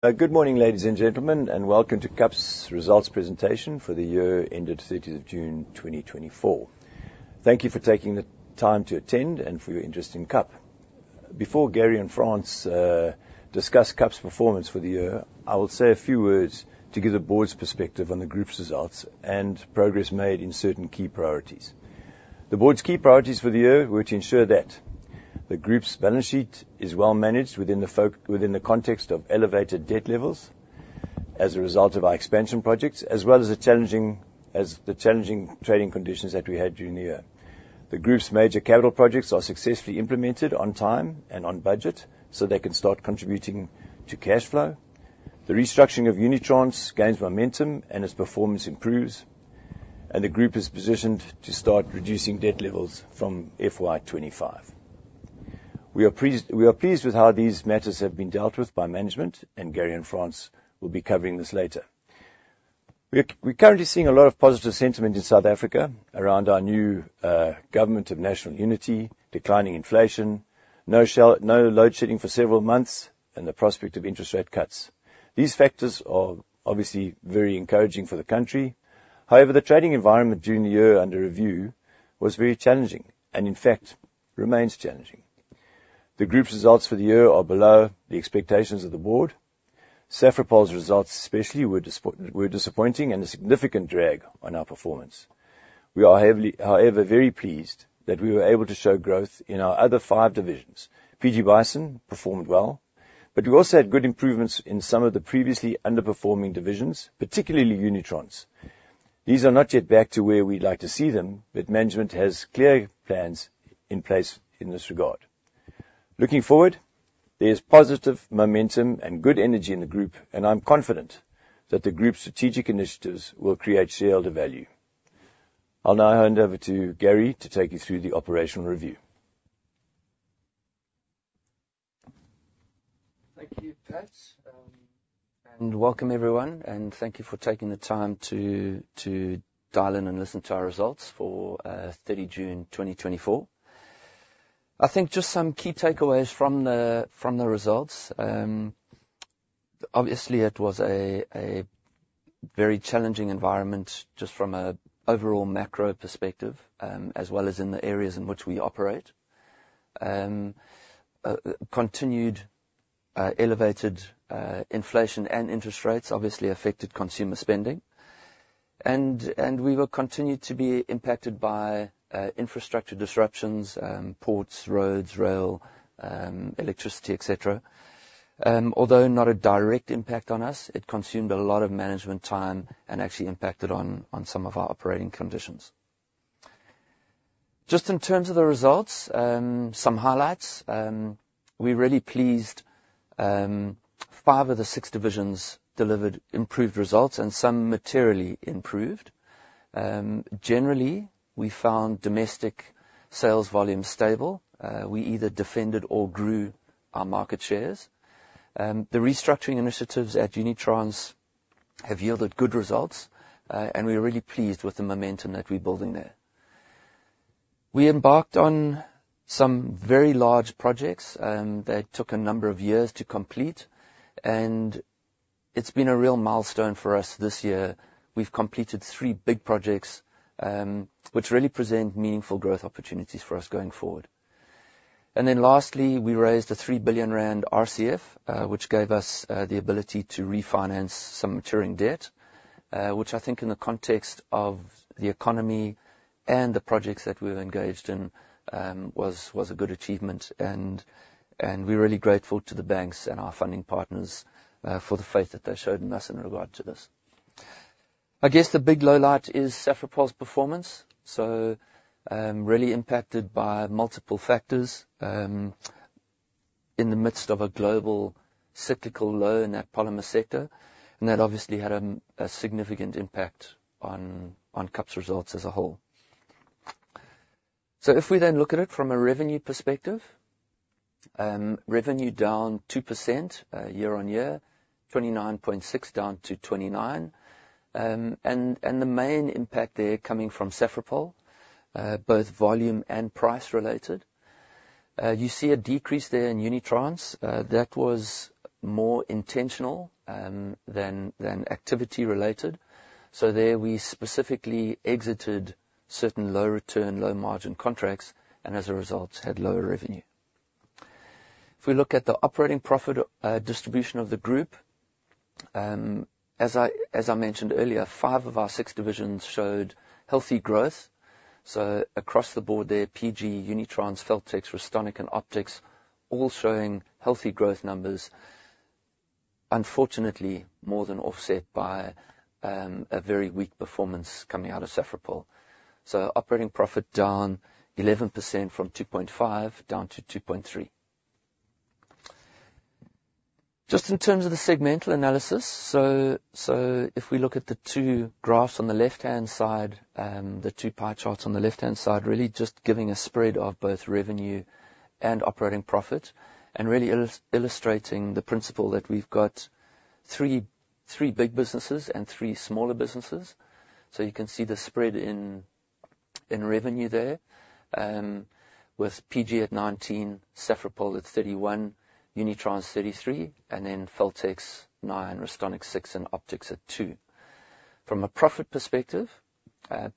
Good morning, ladies and gentlemen, and welcome to KAP's Results Presentation for the Year ended 13th of June, 2024. Thank you for taking the time to attend and for your interest in KAP. Before Gary and Frans discuss KAP's performance for the year, I will say a few words to give the board's perspective on the group's results and progress made in certain key priorities. The board's key priorities for the year were to ensure that the group's balance sheet is well managed within the context of elevated debt levels as a result of our expansion projects, as well as the challenging trading conditions that we had during the year. The group's major capital projects are successfully implemented on time and on budget, so they can start contributing to cash flow. The restructuring of Unitrans gains momentum, and its performance improves, and the group is positioned to start reducing debt levels from FY 2025. We are pleased with how these matters have been dealt with by management, and Gary and Frans will be covering this later. We're currently seeing a lot of positive sentiment in South Africa around our new Government of National Unity, declining inflation, no load shedding for several months, and the prospect of interest rate cuts. These factors are obviously very encouraging for the country. However, the trading environment during the year under review was very challenging, and in fact, remains challenging. The group's results for the year are below the expectations of the board. Safripol's results especially were disappointing and a significant drag on our performance. We are heavily... However, very pleased that we were able to show growth in our other five divisions. PG Bison performed well, but we also had good improvements in some of the previously underperforming divisions, particularly Unitrans. These are not yet back to where we'd like to see them, but management has clear plans in place in this regard. Looking forward, there's positive momentum and good energy in the group, and I'm confident that the group's strategic initiatives will create shareholder value. I'll now hand over to Gary to take you through the operational review. Thank you, Pat, and welcome everyone, and thank you for taking the time to dial in and listen to our results for 30 June 2024. I think just some key takeaways from the results. Obviously, it was a very challenging environment, just from a overall macro perspective, as well as in the areas in which we operate. Continued elevated inflation and interest rates obviously affected consumer spending. And we will continue to be impacted by infrastructure disruptions, ports, roads, rail, electricity, et cetera. Although not a direct impact on us, it consumed a lot of management time and actually impacted on some of our operating conditions. Just in terms of the results, some highlights. We're really pleased, five of the six divisions delivered improved results, and some materially improved. Generally, we found domestic sales volume stable. We either defended or grew our market shares. The restructuring initiatives at Unitrans have yielded good results, and we're really pleased with the momentum that we're building there. We embarked on some very large projects, that took a number of years to complete, and it's been a real milestone for us this year. We've completed three big projects, which really present meaningful growth opportunities for us going forward. Then lastly, we raised 3 billion rand RCF, which gave us the ability to refinance some maturing debt, which I think in the context of the economy and the projects that we were engaged in, was a good achievement, and we're really grateful to the banks and our funding partners for the faith that they showed in us in regard to this. I guess the big lowlight is Safripol's performance, so really impacted by multiple factors in the midst of a global cyclical low in that polymer sector, and that obviously had a significant impact on KAP's results as a whole. So if we then look at it from a revenue perspective, revenue down 2% year on year, 29.6 down to 29. And the main impact there coming from Safripol, both volume and price related. You see a decrease there in Unitrans. That was more intentional than activity-related. So there, we specifically exited certain low-return, low-margin contracts and as a result, had lower revenue. If we look at the operating profit distribution of the group, as I mentioned earlier, five of our six divisions showed healthy growth. So across the board there, PG, Unitrans, Feltex, Restonic, and Optix all showing healthy growth numbers. Unfortunately, more than offset by a very weak performance coming out of Safripol. So operating profit down 11% from 2.5 down to 2.3.Just in terms of the segmental analysis, so if we look at the two graphs on the left-hand side, the two pie charts on the left-hand side, really just giving a spread of both revenue and operating profit, and really illustrating the principle that we've got three big businesses and three smaller businesses. You can see the spread in revenue there, with PG at 19, Safripol at 31, Unitrans 33, and then Feltex nine, Restonic six, and Optix at two. From a profit perspective,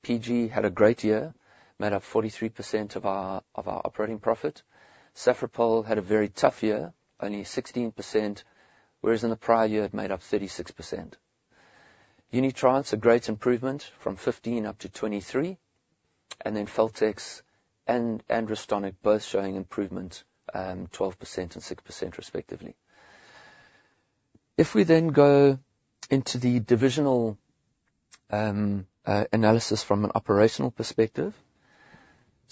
PG had a great year, made up 43% of our operating profit. Safripol had a very tough year, only 16%, whereas in the prior year, it made up 36%.Unitrans, a great improvement from 15%-23%, and then Feltex and Restonic both showing improvement, 12% and 6% respectively. If we then go into the divisional analysis from an operational perspective.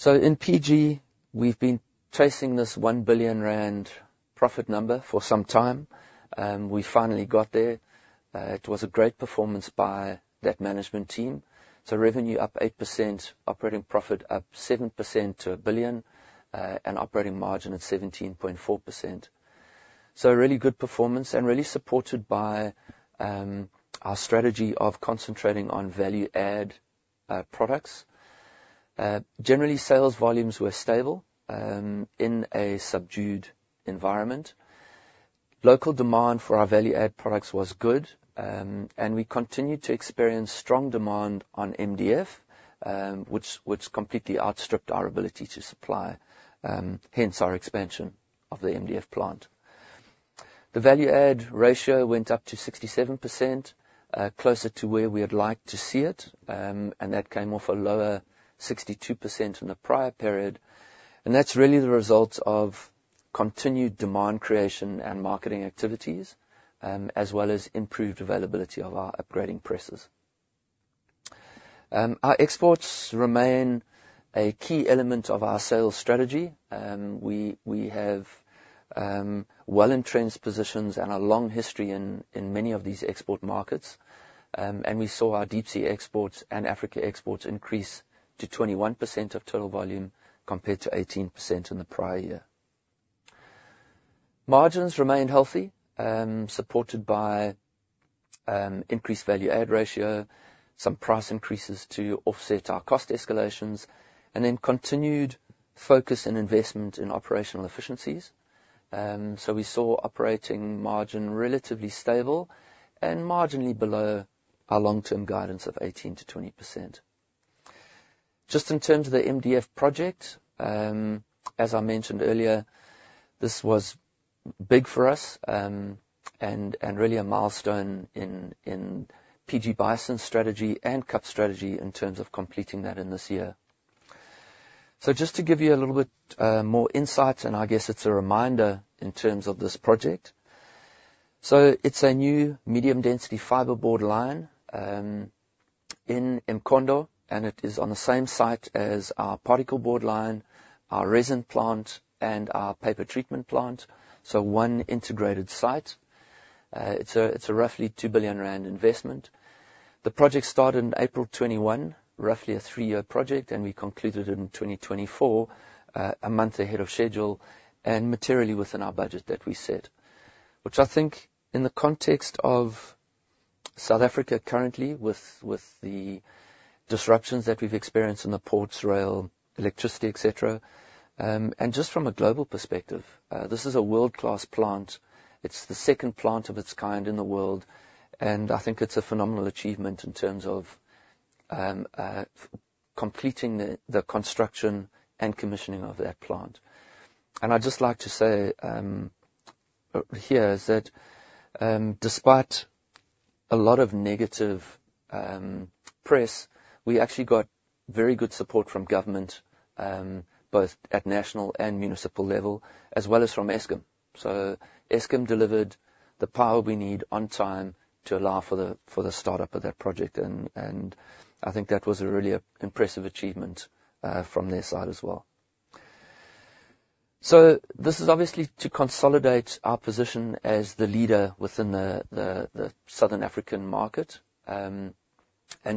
In PG, we've been chasing this 1 billion rand profit number for some time, and we finally got there. It was a great performance by that management team. Revenue up 8%, operating profit up 7% to a billion, and operating margin at 17.4%. Really good performance and really supported by our strategy of concentrating on value-add products. Generally, sales volumes were stable in a subdued environment. Local demand for our value-add products was good, and we continued to experience strong demand on MDF, which completely outstripped our ability to supply, hence our expansion of the MDF plant. The value-add ratio went up to 67%, closer to where we would like to see it, and that came off a lower 62% in the prior period, and that's really the result of continued demand creation and marketing activities, as well as improved availability of our upgrading presses. Our exports remain a key element of our sales strategy, and we have well-entrenched positions and a long history in many of these export markets, and we saw our deep sea exports and Africa exports increase to 21% of total volume, compared to 18% in the prior year. Margins remained healthy, supported by increased value add ratio, some price increases to offset our cost escalations, and then continued focus and investment in operational efficiencies. So we saw operating margin relatively stable and marginally below our long-term guidance of 18%-20%. Just in terms of the MDF project, as I mentioned earlier, this was big for us, and really a milestone in PG Bison's strategy and KAP strategy in terms of completing that in this year. So just to give you a little bit more insight, and I guess it's a reminder in terms of this project. So it's a new medium-density fiberboard line in Mkhondo, and it is on the same site as our particleboard line, our resin plant, and our paper treatment plant, so one integrated site. It's a roughly 2 billion rand investment. The project started in April 2021, roughly a three-year project, and we concluded it in 2024, a month ahead of schedule, and materially within our budget that we set. Which I think in the context of South Africa currently, with the disruptions that we've experienced in the ports, rail, electricity, et cetera. And just from a global perspective, this is a world-class plant. It's the second plant of its kind in the world, and I think it's a phenomenal achievement in terms of completing the construction and commissioning of that plant. And I'd just like to say, here's that, despite a lot of negative press, we actually got very good support from government, both at national and municipal level, as well as from Eskom. So Eskom delivered the power we need on time to allow for the startup of that project, and I think that was a really impressive achievement from their side as well. So this is obviously to consolidate our position as the leader within the Southern African market, and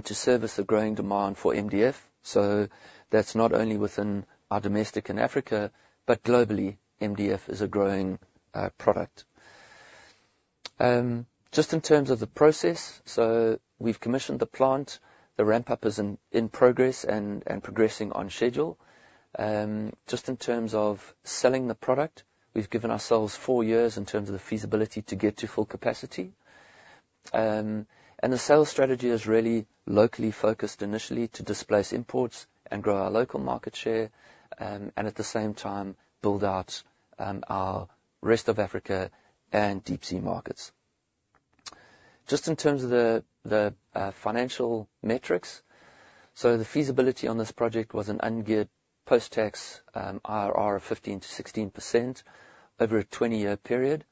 to service the growing demand for MDF. So that's not only within our domestic and Africa, but globally, MDF is a growing product. Just in terms of the process, so we've commissioned the plant. The ramp-up is in progress and progressing on schedule. Just in terms of selling the product, we've given ourselves four years in terms of the feasibility to get to full capacity. And the sales strategy is really locally focused initially to displace imports and grow our local market share, and at the same time, build out our rest of Africa and deep sea markets. Just in terms of the financial metrics, so the feasibility on this project was an ungeared post-tax IRR of 15%-16% over a 20-year period.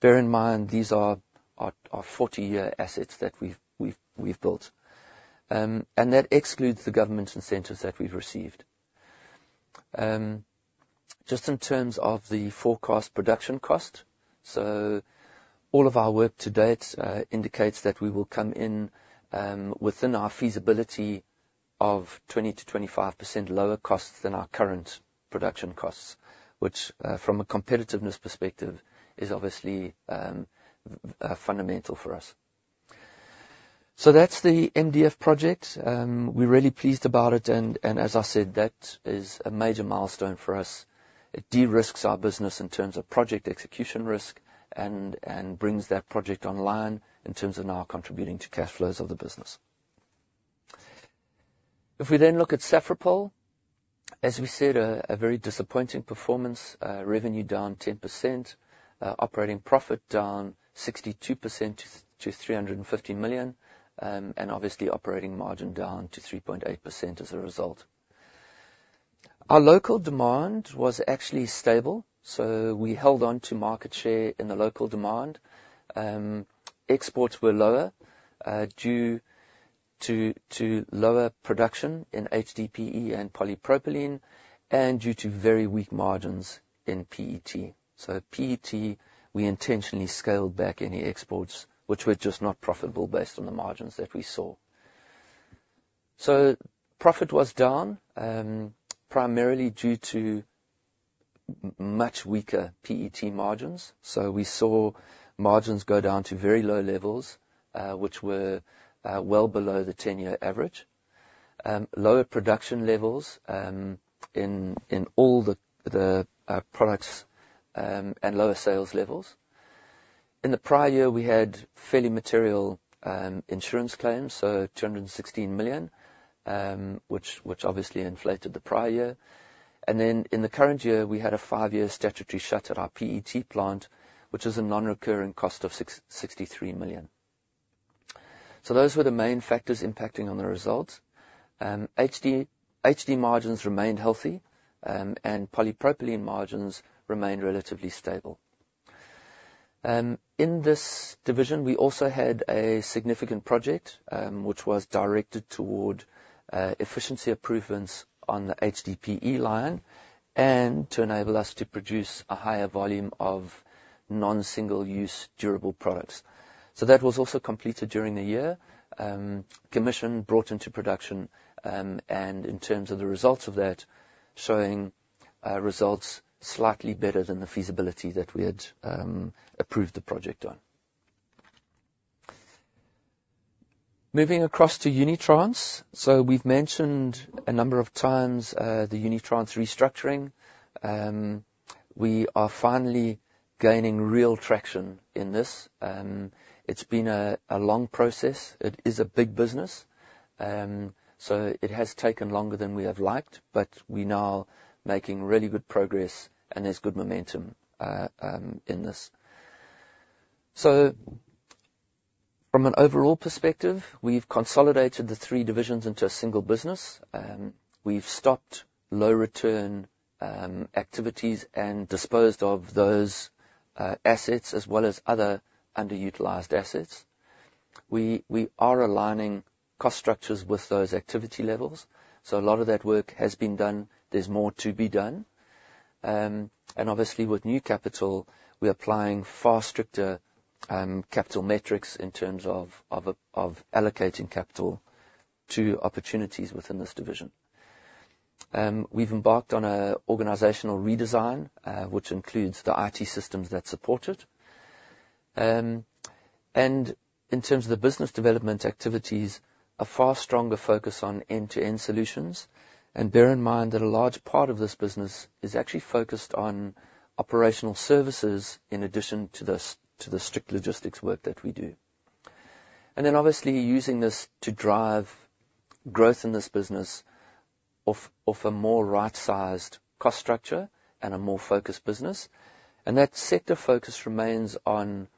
Bear in mind, these are our 40-year assets that we've built. And that excludes the government incentives that we've received. Just in terms of the forecast production cost, so all of our work to date indicates that we will come in within our feasibility of 20%-25% lower cost than our current production costs, which from a competitiveness perspective is obviously fundamental for us. So that's the MDF project. We're really pleased about it, and as I said, that is a major milestone for us. It de-risks our business in terms of project execution risk and brings that project online in terms of now contributing to cash flows of the business. If we then look at Safripol, as we said, a very disappointing performance, revenue down 10%, operating profit down 62% to 350 million, and obviously, operating margin down to 3.8% as a result. Our local demand was actually stable, so we held on to market share in the local demand. Exports were lower, due to lower production in HDPE and polypropylene, and due to very weak margins in PET. So PET, we intentionally scaled back any exports, which were just not profitable based on the margins that we saw. Profit was down, primarily due to much weaker PET margins. We saw margins go down to very low levels, which were well below the ten-year average. Lower production levels in all the products and lower sales levels. In the prior year, we had fairly material insurance claims, so 216 million, which obviously inflated the prior year. And then, in the current year, we had a five-year statutory shut at our PET plant, which was a non-recurring cost of 63 million. Those were the main factors impacting on the results. HDPE margins remained healthy, and polypropylene margins remained relatively stable.In this division, we also had a significant project, which was directed toward efficiency improvements on the HDPE line and to enable us to produce a higher volume of non-single use durable products, so that was also completed during the year. Commissioned and brought into production, and in terms of the results of that, showing results slightly better than the feasibility that we had approved the project on. Moving across to Unitrans, so we've mentioned a number of times the Unitrans restructuring. We are finally gaining real traction in this. It's been a long process. It is a big business, so it has taken longer than we have liked, but we're now making really good progress, and there's good momentum in this. So from an overall perspective, we've consolidated the three divisions into a single business. We've stopped low return activities and disposed of those assets as well as other underutilized assets. We are aligning cost structures with those activity levels, so a lot of that work has been done. There's more to be done. And obviously, with new capital, we're applying far stricter capital metrics in terms of allocating capital to opportunities within this division. We've embarked on an organizational redesign, which includes the IT systems that support it. And in terms of the business development activities, a far stronger focus on end-to-end solutions. And bear in mind that a large part of this business is actually focused on operational services, in addition to the strict logistics work that we do. And then, obviously, using this to drive growth in this business of a more right-sized cost structure and a more focused business. And that sector focus remains on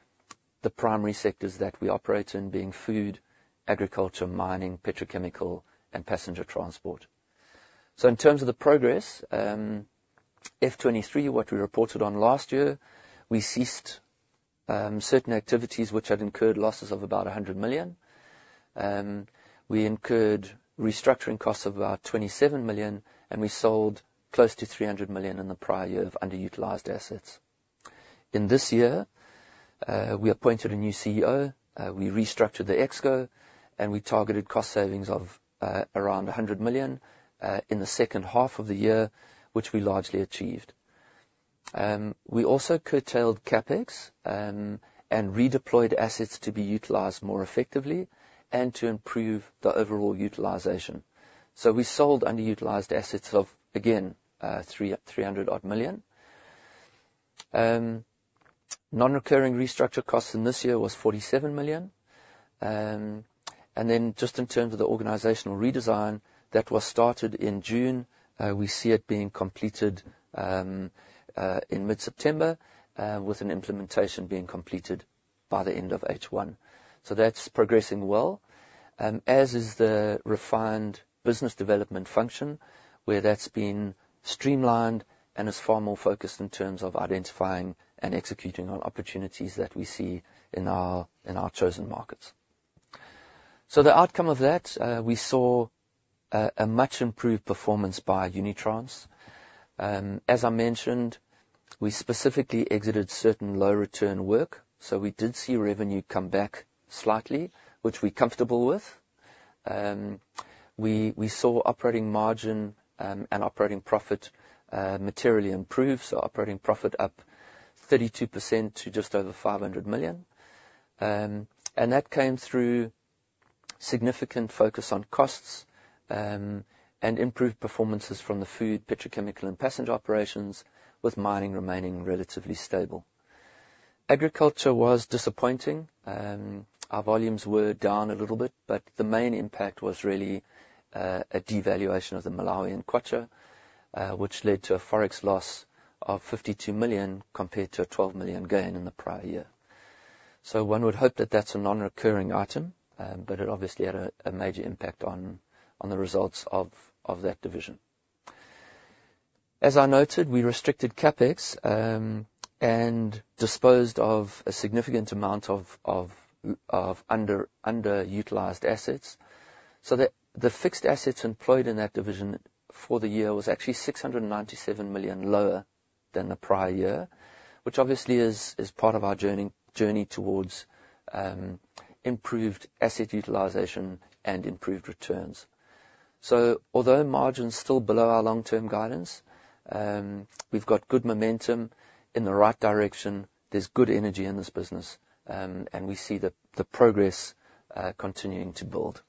the primary sectors that we operate in, being food, agriculture, mining, petrochemical, and passenger transport. So in terms of the progress, FY 2023, what we reported on last year, we ceased certain activities which had incurred losses of about 100 million. We incurred restructuring costs of about 27 million, and we sold close to 300 million in the prior year of underutilized assets. In this year, we appointed a new CEO, we restructured the ExCo, and we targeted cost savings of around 100 million in the second half of the year, which we largely achieved. We also curtailed CapEx and redeployed assets to be utilized more effectively and to improve the overall utilization. We sold underutilized assets of, again, 300-odd million. Non-recurring restructure costs in this year was 47 million. Just in terms of the organizational redesign, that was started in June. We see it being completed in mid-September, with an implementation being completed by the end of H1. That's progressing well, as is the refined business development function, where that's been streamlined and is far more focused in terms of identifying and executing on opportunities that we see in our chosen markets. The outcome of that, we saw a much improved performance by Unitrans. As I mentioned, we specifically exited certain low return work, so we did see revenue come back slightly, which we're comfortable with. We saw operating margin and operating profit materially improve. So operating profit up 32% to just over 500 million. And that came through significant focus on costs and improved performances from the food, petrochemical, and passenger operations, with mining remaining relatively stable. Agriculture was disappointing. Our volumes were down a little bit, but the main impact was really a devaluation of the Malawian kwacha, which led to a forex loss of 52 million compared to a 12 million gain in the prior year. So one would hope that that's a non-recurring item, but it obviously had a major impact on the results of that division. As I noted, we restricted CapEx and disposed of a significant amount of underutilized assets, so that the fixed assets employed in that division for the year was actually 697 million lower than the prior year, which obviously is part of our journey towards improved asset utilization and improved returns. So although margin's still below our long-term guidance, we've got good momentum in the right direction. There's good energy in this business, and we see the progress continuing to build.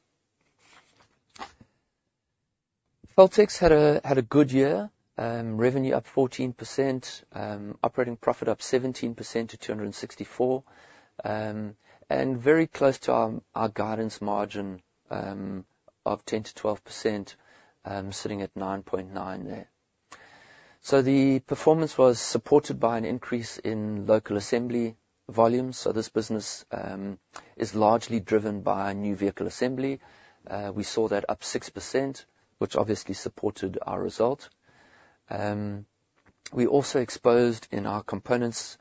Feltex had a good year. Revenue up 14%, operating profit up 17% to 264 million. And very close to our guidance margin of 10%-12%, sitting at 9.9% there. The performance was supported by an increase in local assembly volumes. This business is largely driven by new vehicle assembly. We saw that up 6%, which obviously supported our result. We also exposed in our components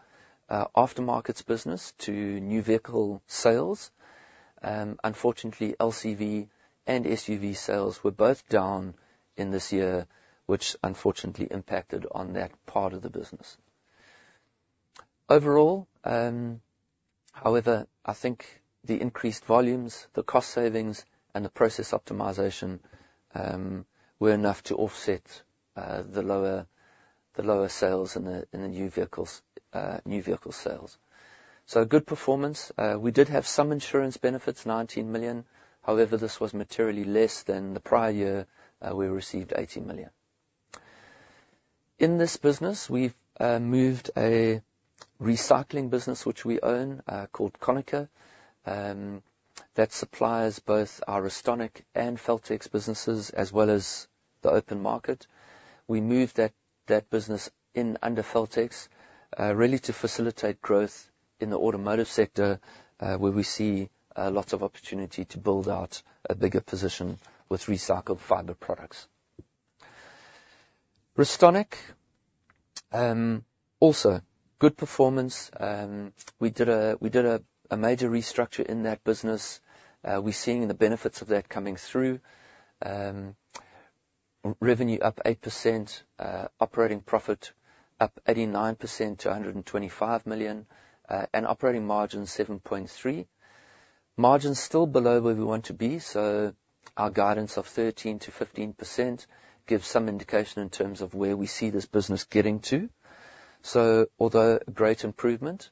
aftermarkets business to new vehicle sales. Unfortunately, LCV and SUV sales were both down in this year, which unfortunately impacted on that part of the business. Overall, however, I think the increased volumes, the cost savings, and the process optimization were enough to offset the lower sales in the new vehicle sales. A good performance. We did have some insurance benefits, 19 million. However, this was materially less than the prior year we received 80 million. In this business, we've moved a recycling business which we own called Connacher. That supplies both our Restonic and Feltex businesses, as well as the open market. We moved that business in under Feltex really to facilitate growth in the automotive sector, where we see lots of opportunity to build out a bigger position with recycled fiber products. Restonic also good performance. We did a major restructure in that business. We're seeing the benefits of that coming through. Revenue up 8%, operating profit up 89% to R125 million, and operating margin 7.3%. Margin's still below where we want to be, so our guidance of 13%-15% gives some indication in terms of where we see this business getting to. So although great improvement,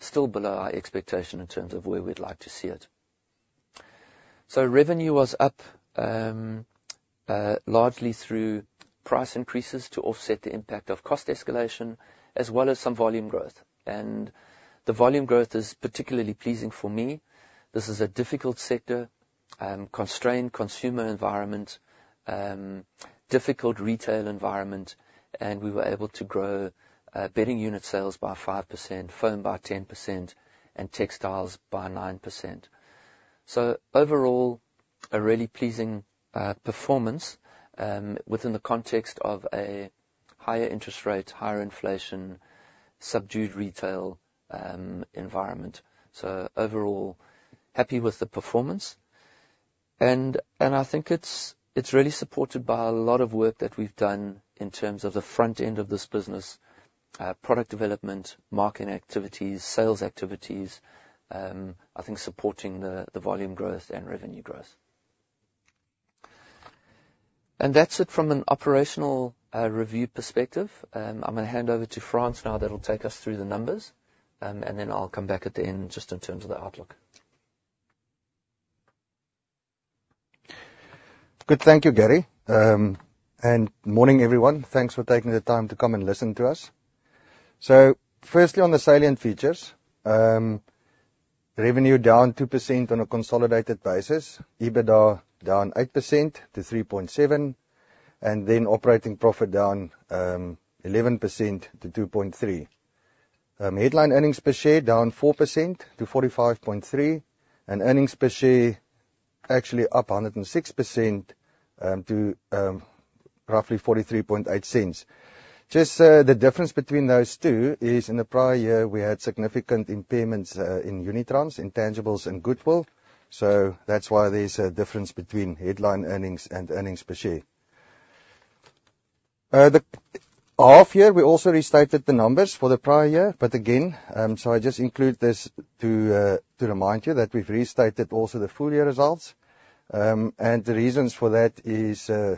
still below our expectation in terms of where we'd like to see it. So revenue was up, largely through price increases to offset the impact of cost escalation, as well as some volume growth. And the volume growth is particularly pleasing for me. This is a difficult sector, constrained consumer environment, difficult retail environment, and we were able to grow bedding unit sales by 5%, foam by 10%, and textiles by 9%. So overall, a really pleasing performance within the context of a higher interest rate, higher inflation, subdued retail environment. So overall, happy with the performance, and I think it's really supported by a lot of work that we've done in terms of the front end of this business, product development, marketing activities, sales activities, I think supporting the volume growth and revenue growth. And that's it from an operational review perspective. I'm gonna hand over to Frans now. That'll take us through the numbers, and then I'll come back at the end just in terms of the outlook. Good. Thank you, Gary. Morning, everyone. Thanks for taking the time to come and listen to us. Firstly, on the salient features, revenue down 2% on a consolidated basis, EBITDA down 8% to 3.7, and then operating profit down 11% to 2.3. Headline earnings per share down 4% to 45.3, and earnings per share actually up 106% to roughly 43.8 cents. Just the difference between those two is, in the prior year, we had significant impairments in Unitrans, intangibles and goodwill, so that's why there's a difference between headline earnings and earnings per share. The half year, we also restated the numbers for the prior year, but again, so I just include this to, to remind you that we've restated also the full year results. And the reasons for that is, or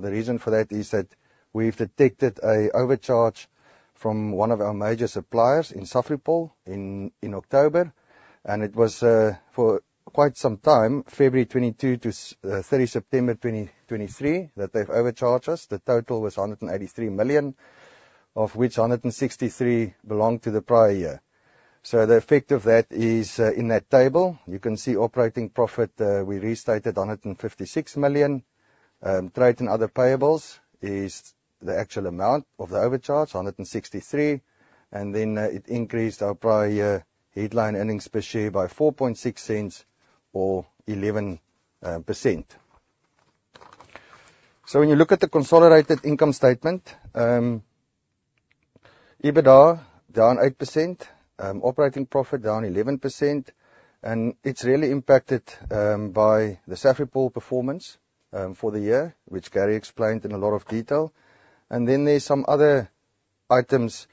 the reason for that, is that we've detected a overcharge from one of our major suppliers in Safripol in October, and it was for quite some time, February 2022 to 30 September 2023, that they've overcharged us. The total was 183 million, of which 163 million belonged to the prior year. So the effect of that is in that table. You can see operating profit, we restated 156 million. Trade and other payables is the actual amount of the overcharge, 163, and then it increased our prior year headline earnings per share by 0.046 or 11%. So when you look at the consolidated income statement, EBITDA down 8%, operating profit down 11%, and it's really impacted by the Safripol performance for the year, which Gary explained in a lot of detail. Then there's some other items.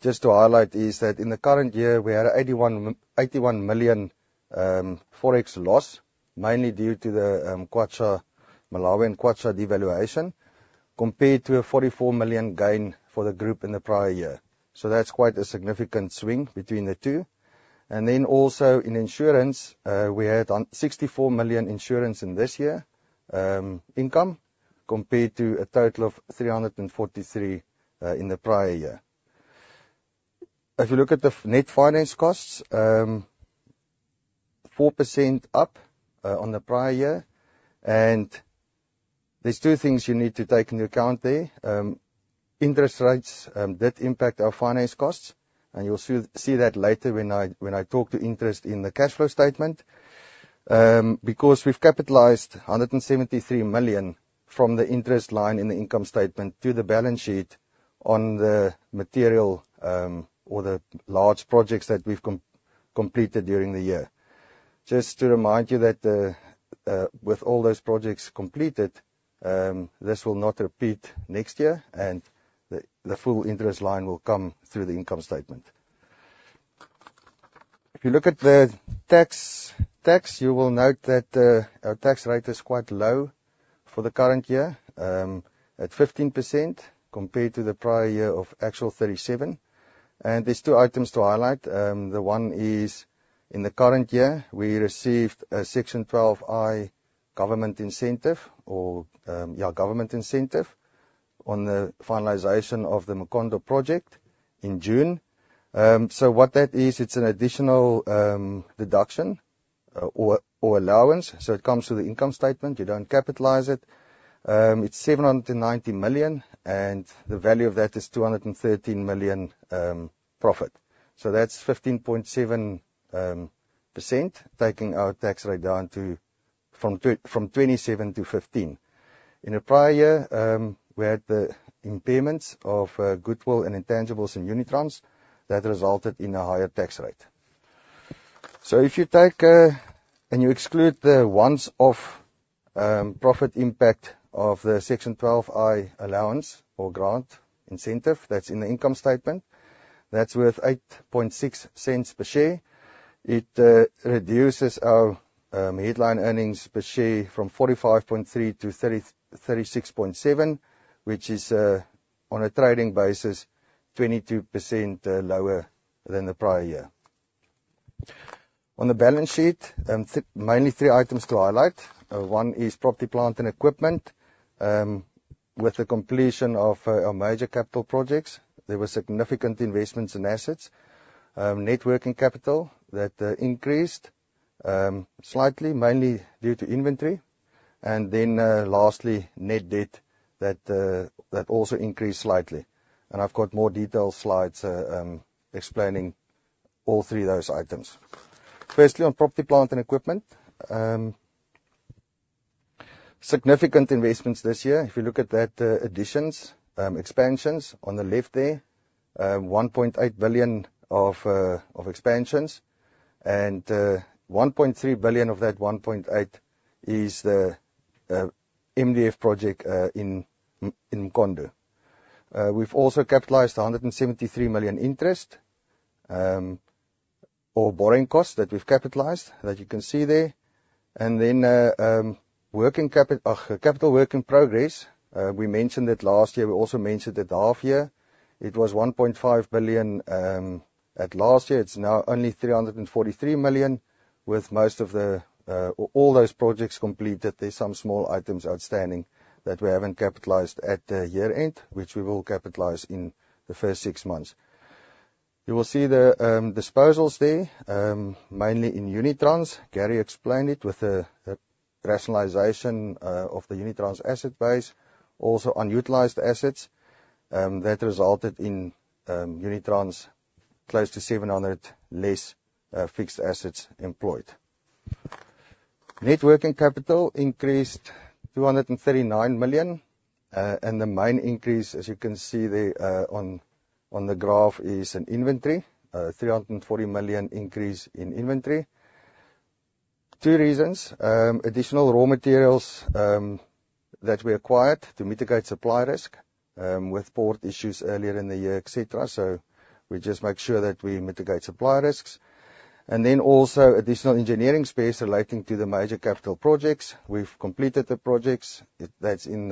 Just to highlight, that in the current year, we had 81 million Forex loss, mainly due to the Malawian Kwacha devaluation, compared to a 44 million gain for the group in the prior year. So that's quite a significant swing between the two. And then also in insurance, we had 64 million insurance income in this year, compared to a total of 343 in the prior year. If you look at the net finance costs, 4% up on the prior year, and there are two things you need to take into account there. Interest rates did impact our finance costs, and you'll see that later when I talk to interest in the cash flow statement. Because we've capitalized 173 million from the interest line in the income statement to the balance sheet on the material, or the large projects that we've completed during the year. Just to remind you that with all those projects completed, this will not repeat next year, and the full interest line will come through the income statement. If you look at the tax, you will note that our tax rate is quite low for the current year at 15% compared to the prior year of actual 37%. And there's two items to highlight. The one is, in the current year, we received a Section 12I government incentive or yeah, government incentive on the finalization of the Mkondo project in June. So what that is, it's an additional deduction or allowance, so it comes to the income statement. You don't capitalize it. It's 790 million, and the value of that is 213 million profit. So that's 15.7%, taking our tax rate down from 27% to 15%. In the prior year, we had the impairments of goodwill and intangibles in Unitrans that resulted in a higher tax rate. So if you take and you exclude the once-off profit impact of the Section 12I allowance or grant incentive, that's in the income statement. That's worth 8.6 cents per share. It reduces our headline earnings per share from 45.3 to 36.7, which is on a trading basis 22% lower than the prior year. On the balance sheet, mainly three items to highlight. One is property, plant, and equipment. With the completion of our major capital projects, there were significant investments in assets.Net working capital that increased slightly, mainly due to inventory. And then lastly, net debt that also increased slightly. And I've got more detailed slides explaining all three of those items. Firstly, on property, plant, and equipment. Significant investments this year. If you look at that, additions, expansions on the left there, 1.8 billion of expansions, and 1.3 billion of that 1.8 is the MDF project in Mkondo. We've also capitalized 173 million interest, or borrowing costs that we've capitalized, that you can see there. And then, capital work in progress, we mentioned it last year, we also mentioned it the half year. It was 1.5 billion at last year. It's now only 343 million, with most of the, or all those projects completed. There's some small items outstanding that we haven't capitalized at year-end, which we will capitalize in the first six months. You will see the disposals there, mainly in Unitrans. Gary explained it with the rationalization of the Unitrans asset base, also unutilized assets, that resulted in Unitrans close to 700 less fixed assets employed. Net working capital increased 239 million. And the main increase, as you can see there, on the graph, is in inventory, 340 million increase in inventory. Two reasons. Additional raw materials that we acquired to mitigate supply risk with port issues earlier in the year, et cetera. We just make sure that we mitigate supply risks, and then also additional engineering space relating to the major capital projects. We've completed the projects. That's in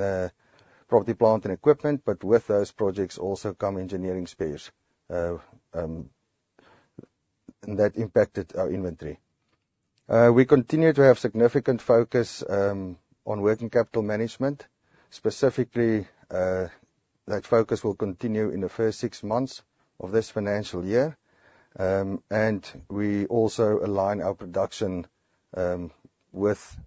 property, plant, and equipment, but with those projects also come engineering space. And that impacted our inventory. We continue to have significant focus on working capital management. Specifically, that focus will continue in the first six months of this financial year. And we also align our production with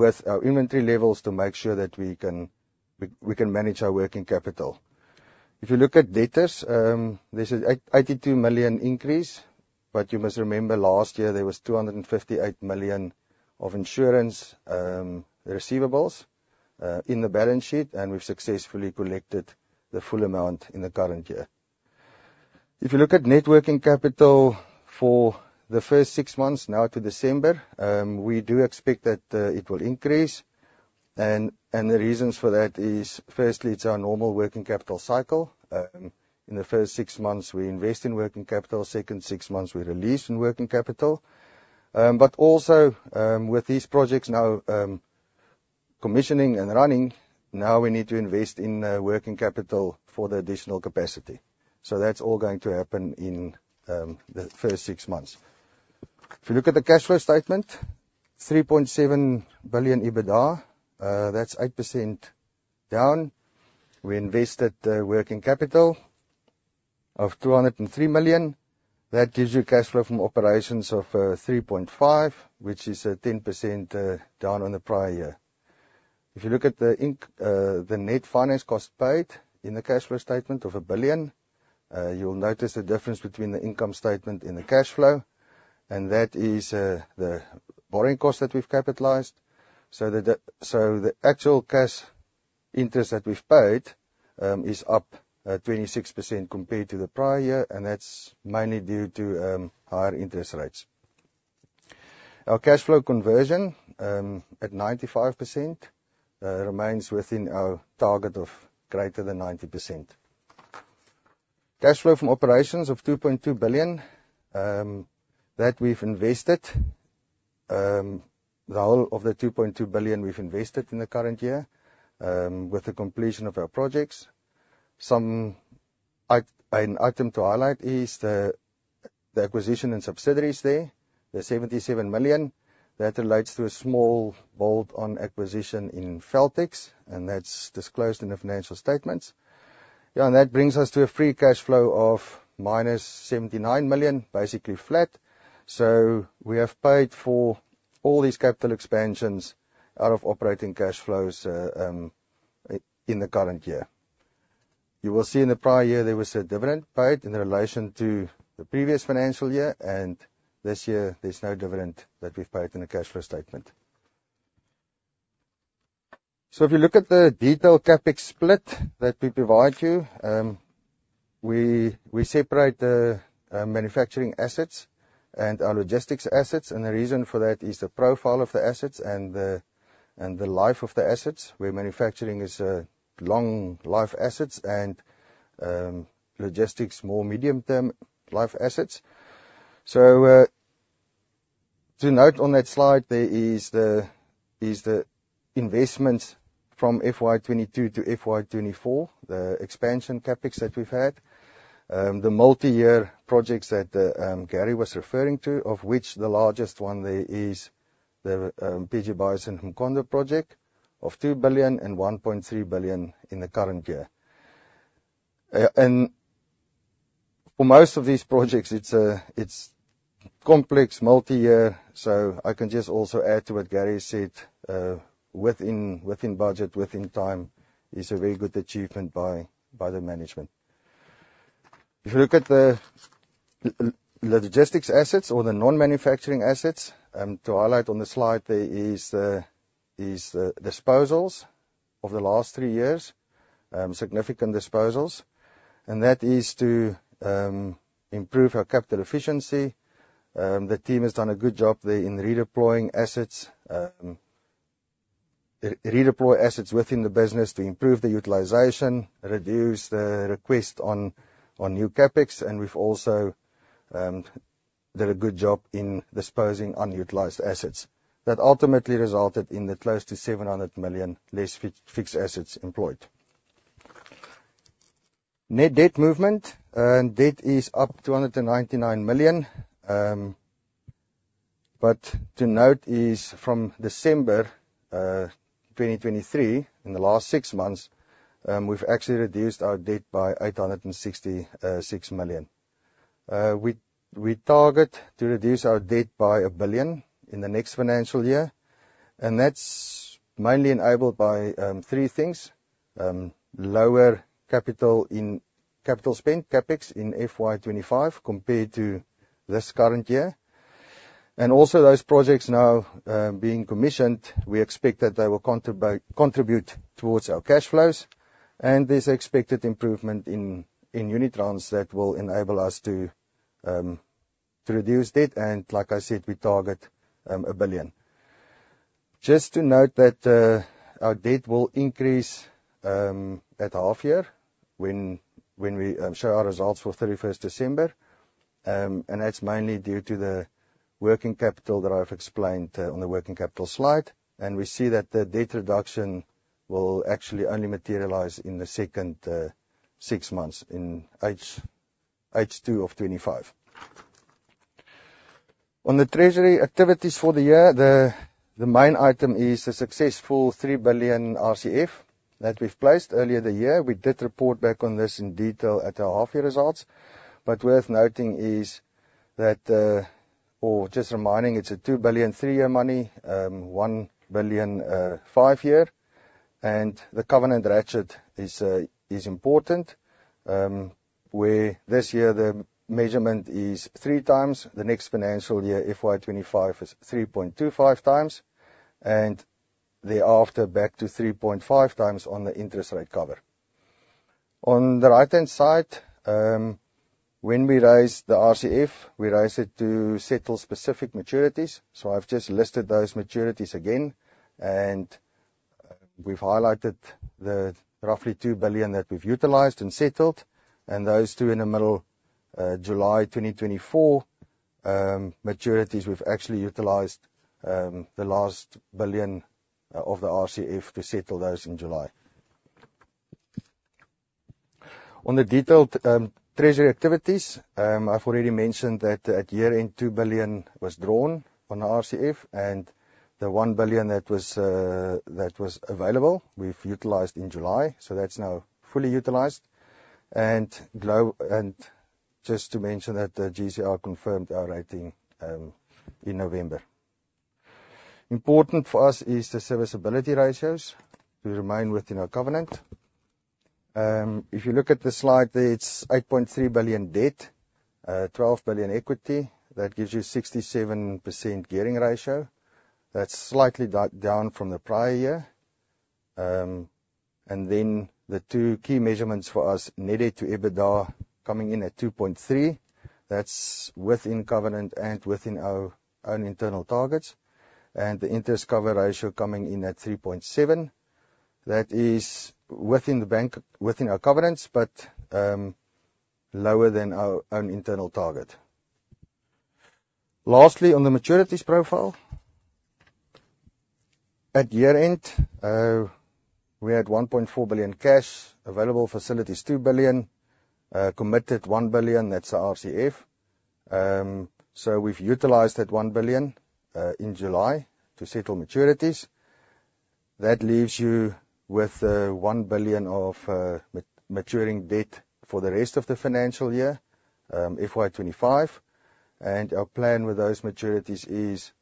our inventory levels to make sure that we can manage our working capital. If you look at debtors, there's a 82 million increase, but you must remember, last year there was 258 million of insurance receivables in the balance sheet, and we've successfully collected the full amount in the current year. If you look at net working capital for the first six months now to December, we do expect that it will increase, and the reasons for that is, firstly, it's our normal working capital cycle. In the first six months, we invest in working capital, second six months, we release in working capital. But also, with these projects now, commissioning and running, now we need to invest in working capital for the additional capacity. So that's all going to happen in the first six months. If you look at the cash flow statement, 3.7 billion EBITDA, that's 8% down. We invested working capital of 203 million. That gives you cash flow from operations of 3.5 billion, which is 10% down on the prior year. If you look at the net finance costs paid in the cash flow statement of 1 billion, you'll notice a difference between the income statement and the cash flow, and that is the borrowing cost that we've capitalized. So the actual cash interest that we've paid is up 26% compared to the prior year, and that's mainly due to higher interest rates. Our cash flow conversion at 95% remains within our target of greater than 90%. Cash flow from operations of 2.2 billion that we've invested. The whole of the 2.2 billion we've invested in the current year with the completion of our projects. An item to highlight is the acquisition and subsidiaries there, the 77 million. That relates to a small bolt-on acquisition in Feltex, and that's disclosed in the financial statements. Yeah, and that brings us to a free cash flow of -79 million, basically flat. So we have paid for all these capital expansions out of operating cash flows in the current year. You will see in the prior year, there was a dividend paid in relation to the previous financial year, and this year there's no dividend that we've paid in the cash flow statement. So if you look at the detailed CapEx split that we provide you, we separate the manufacturing assets and our logistics assets, and the reason for that is the profile of the assets and the life of the assets, where manufacturing is long life assets and logistics, more medium-term life assets. So, to note on that slide there is the investments from FY 2022 to FY 2024, the expansion CapEx that we've had. The multi-year projects that Gary was referring to, of which the largest one there is the PG Bison and Mkondo project of 2 billion and 1.3 billion in the current year. And for most of these projects, it's complex, multi-year, so I can just also add to what Gary said, within budget, within time, is a very good achievement by the management. If you look at the logistics assets or the non-manufacturing assets, to highlight on the slide, there is disposals over the last three years, significant disposals, and that is to improve our capital efficiency. The team has done a good job there in redeploying assets. Redeploy assets within the business to improve the utilization, reduce the request on new CapEx, and we've also done a good job in disposing unutilized assets. That ultimately resulted in close to 700 million less fixed assets employed. Net debt movement, debt is up 299 million. But to note is from December 2023, in the last six months, we've actually reduced our debt by 866 million. We target to reduce our debt by 1 billion in the next financial year, and that's mainly enabled by three things. Lower capital in capital spend, CapEx, in FY 2025 compared to this current year. And also those projects now being commissioned, we expect that they will contribute towards our cash flows, and there's expected improvement in Unitrans that will enable us to reduce debt. And like I said, we target 1 billion. Just to note that our debt will increase at half year when we show our results for 31 December. And that's mainly due to the working capital that I've explained on the working capital slide. And we see that the debt reduction will actually only materialize in the second six months, in H2 of 2025. On the treasury activities for the year, the main item is a successful 3 billion RCF that we've placed earlier in the year. We did report back on this in detail at our half-year results. But worth noting is that, or just reminding, it's 2 billion three-year money, 1 billion five-year, and the covenant ratchet is important. Where this year the measurement is three times, the next financial year, FY 2025, is 3.25 times, and thereafter, back to 3.5x on the interest rate cover. On the right-hand side, when we raised the RCF, we raised it to settle specific maturities. So I've just listed those maturities again, and we've highlighted the roughly 2 billion that we've utilized and settled, and those two in the middle, July 2024, maturities, we've actually utilized the last 1 billion of the RCF to settle those in July. On the detailed treasury activities, I've already mentioned that at year-end, 2 billion was drawn on the RCF, and the 1 billion that was available, we've utilized in July, so that's now fully utilized. And just to mention that, GCR confirmed our rating in November. Important for us is the serviceability ratios to remain within our covenant. If you look at the slide there, it's 8.3 billion debt, 12 billion equity. That gives you 67% gearing ratio. That's slightly down from the prior year. And then the two key measurements for us, net debt to EBITDA, coming in at 2.3. That's within covenant and within our own internal targets. And the interest cover ratio coming in at 3.7.That is within our covenants, but lower than our own internal target. Lastly, on the maturities profile, at year-end, we had 1.4 billion cash, available facilities 2 billion, committed 1 billion, that's the RCF. So we've utilized that 1 billion in July to settle maturities. That leaves you with 1 billion of maturing debt for the rest of the financial year, FY 2025. Our plan with those maturities is,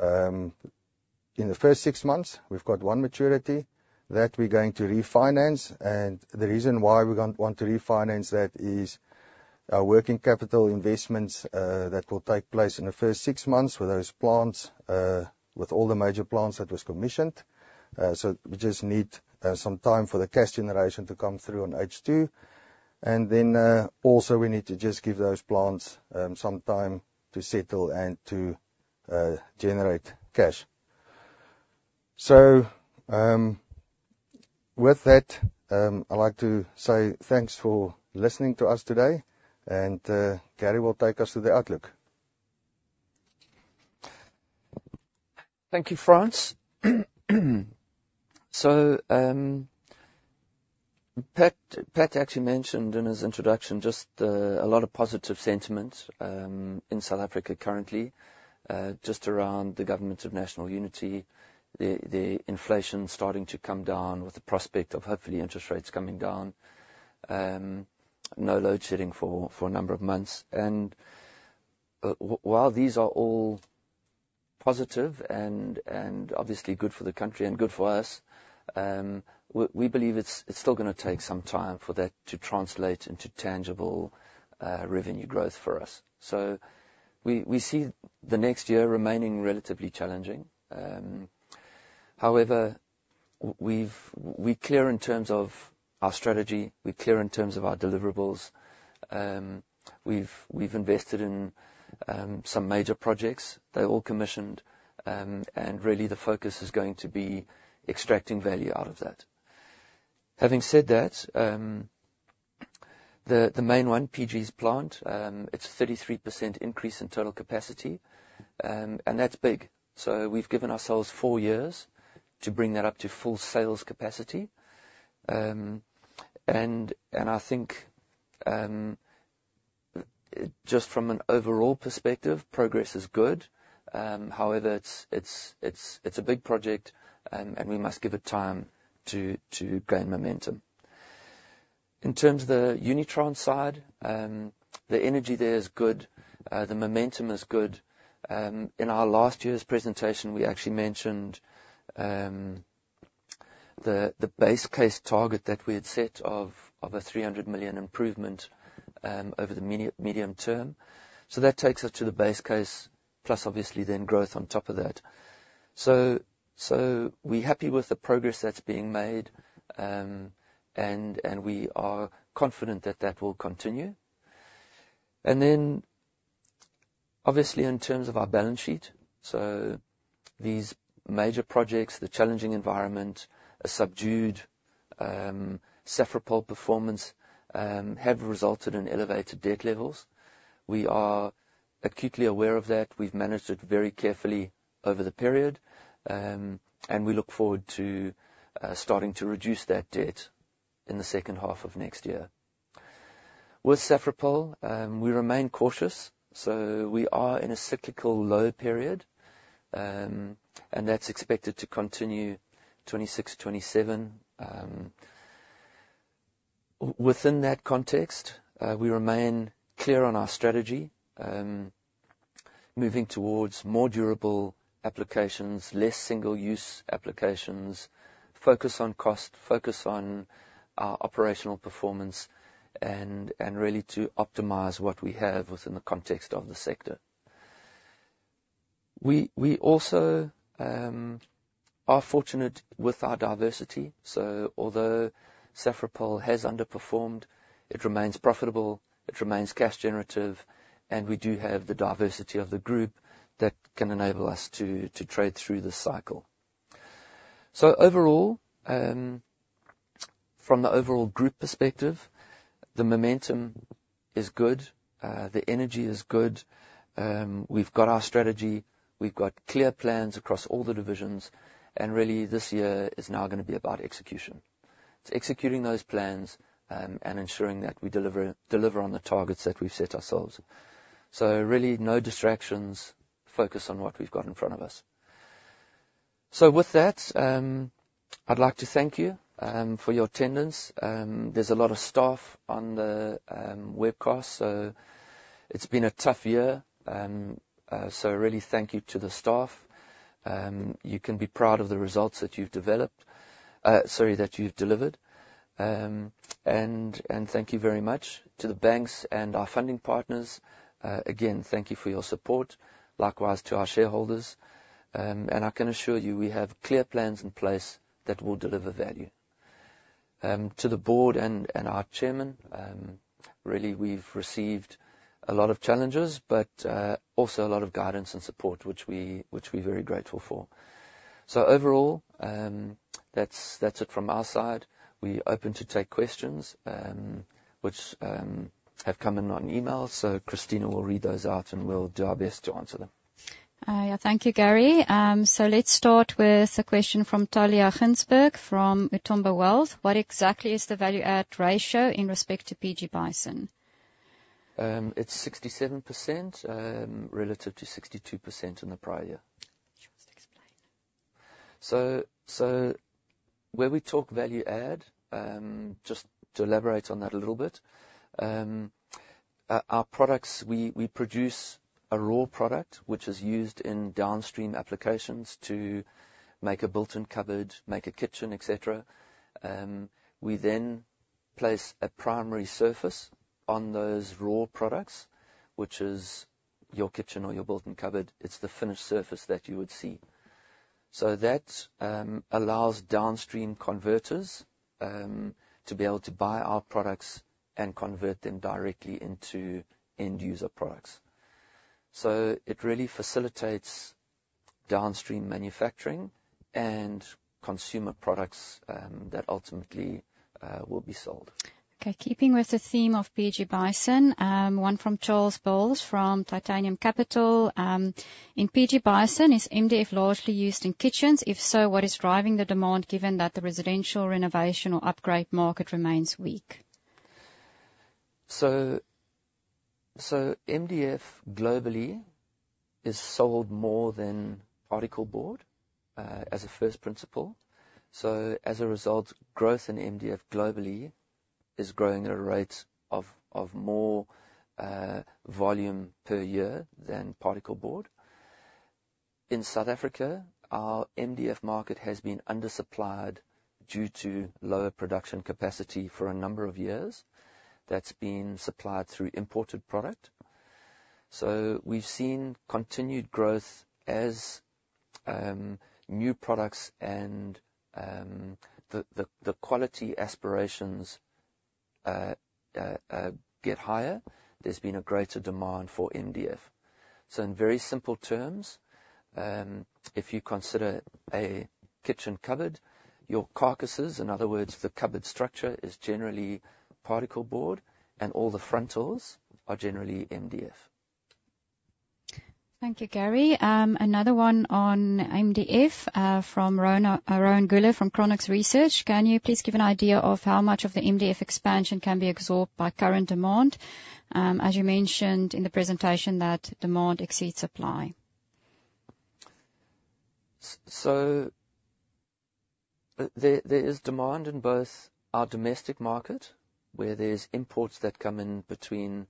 in the first six months, we've got one maturity. That one, we're going to refinance, and the reason why we're gonna want to refinance that is our working capital investments that will take place in the first six months with those plants, with all the major plants that was commissioned. So we just need some time for the cash generation to come through on H2. And then also, we need to just give those plants some time to settle and to generate cash. So with that, I'd like to say thanks for listening to us today, and Gary will take us through the outlook. Thank you, Frans. So, Pat, Pat actually mentioned in his introduction just a lot of positive sentiment in South Africa currently just around the Government of National Unity. The inflation starting to come down with the prospect of, hopefully, interest rates coming down. No load shedding for a number of months, and while these are all positive and obviously good for the country and good for us, we believe it's still gonna take some time for that to translate into tangible revenue growth for us. So we see the next year remaining relatively challenging. However, we're clear in terms of our strategy. We're clear in terms of our deliverables. We've invested in some major projects. They're all commissioned, and really, the focus is going to be extracting value out of that. Having said that, the main one, PG Bison's plant, it's a 33% increase in total capacity, and that's big. So we've given ourselves four years to bring that up to full sales capacity, and I think just from an overall perspective, progress is good. However, it's a big project, and we must give it time to gain momentum. In terms of the Unitrans side, the energy there is good. The momentum is good. In our last year's presentation, we actually mentioned the base case target that we had set of a 300 million improvement over the medium term. So that takes us to the base case, plus obviously then growth on top of that. So we're happy with the progress that's being made, and we are confident that that will continue. And then, obviously, in terms of our balance sheet, so these major projects, the challenging environment, a subdued Safripol performance have resulted in elevated debt levels. We are acutely aware of that. We've managed it very carefully over the period, and we look forward to starting to reduce that debt in the second half of next year. With Safripol, we remain cautious, so we are in a cyclical low period. And that's expected to continue 2026, 2027.Within that context, we remain clear on our strategy, moving towards more durable applications, less single-use applications, focus on cost, focus on our operational performance, and really to optimize what we have within the context of the sector. We also are fortunate with our diversity, so although Safripol has underperformed, it remains profitable, it remains cash generative, and we do have the diversity of the group that can enable us to trade through this cycle. So overall, from the overall group perspective, the momentum is good, the energy is good. We've got our strategy, we've got clear plans across all the divisions, and really, this year is now gonna be about execution. It's executing those plans, and ensuring that we deliver on the targets that we've set ourselves. Really, no distractions, focus on what we've got in front of us. With that, I'd like to thank you for your attendance. There's a lot of staff on the webcast, so it's been a tough year. So really thank you to the staff. You can be proud of the results that you've developed, sorry, that you've delivered. And thank you very much to the banks and our funding partners. Again, thank you for your support. Likewise to our shareholders. And I can assure you, we have clear plans in place that will deliver value. To the board and our chairman, really, we've received a lot of challenges, but also a lot of guidance and support, which we're very grateful for. So overall, that's it from our side. We're open to take questions, which have come in on email, so Christina will read those out, and we'll do our best to answer them. Yeah. Thank you, Gary, so let's start with a question from Talia Ginsberg from Umthombo Wealth. What exactly is the value add ratio in respect to PG Bison? It's 67%, relative to 62% in the prior year. You must explain. So where we talk value add, just to elaborate on that a little bit, our products, we produce a raw product, which is used in downstream applications to make a built-in cupboard, make a kitchen, et cetera. We then place a primary surface on those raw products, which is your kitchen or your built-in cupboard. It's the finished surface that you would see. So that allows downstream converters to be able to buy our products and convert them directly into end user products. So it really facilitates downstream manufacturing and consumer products that ultimately will be sold. Okay, keeping with the theme of PG Bison, one from Charles Bowles, from Titanium Capital. In PG Bison, is MDF largely used in kitchens? If so, what is driving the demand, given that the residential renovation or upgrade market remains weak? So MDF globally is sold more than particleboard, as a first principle. So as a result, growth in MDF globally is growing at a rate of more volume per year than particleboard. In South Africa, our MDF market has been undersupplied due to lower production capacity for a number of years. That's been supplied through imported product. So we've seen continued growth as new products and the quality aspirations get higher. There's been a greater demand for MDF.So in very simple terms, if you consider a kitchen cupboard, your carcasses, in other words, the cupboard structure, is generally particleboard, and all the frontals are generally MDF. Thank you, Gary. Another one on MDF, from Rowan Goeller from Chronux Research: "Can you please give an idea of how much of the MDF expansion can be absorbed by current demand? As you mentioned in the presentation, that demand exceeds supply. So, there is demand in both our domestic market, where there's imports that come in between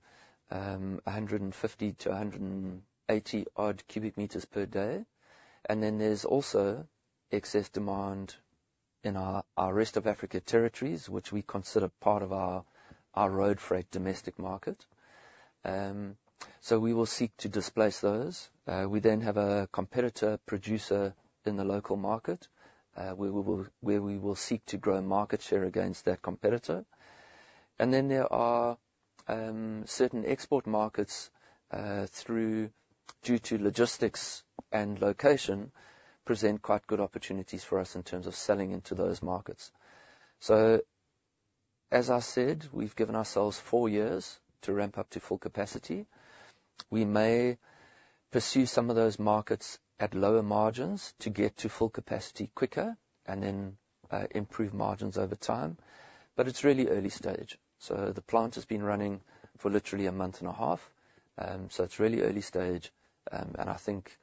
150 and 180-odd cubic meters per day, and then there's also excess demand in our rest of Africa territories, which we consider part of our road freight domestic market. So we will seek to displace those. We then have a competitor producer in the local market, where we will seek to grow market share against that competitor. Then there are certain export markets through due to logistics and location present quite good opportunities for us in terms of selling into those markets. So, as I said, we've given ourselves four years to ramp up to full capacity. We may pursue some of those markets at lower margins to get to full capacity quicker, and then improve margins over time. But it's really early stage, so the plant has been running for literally a month and a half. So it's really early stage, and I think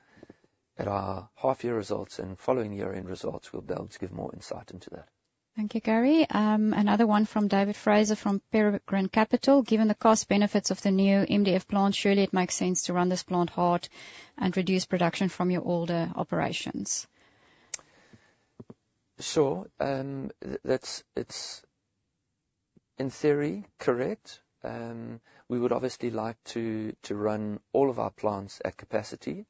at our half-year results and following year-end results, we'll be able to give more insight into that. Thank you, Gary. Another one from David Fraser from Peregrine Capital: "Given the cost benefits of the new MDF plant, surely it makes sense to run this plant hard and reduce production from your older operations? Sure. That's it, in theory, correct. We would obviously like to run all of our plants at capacity,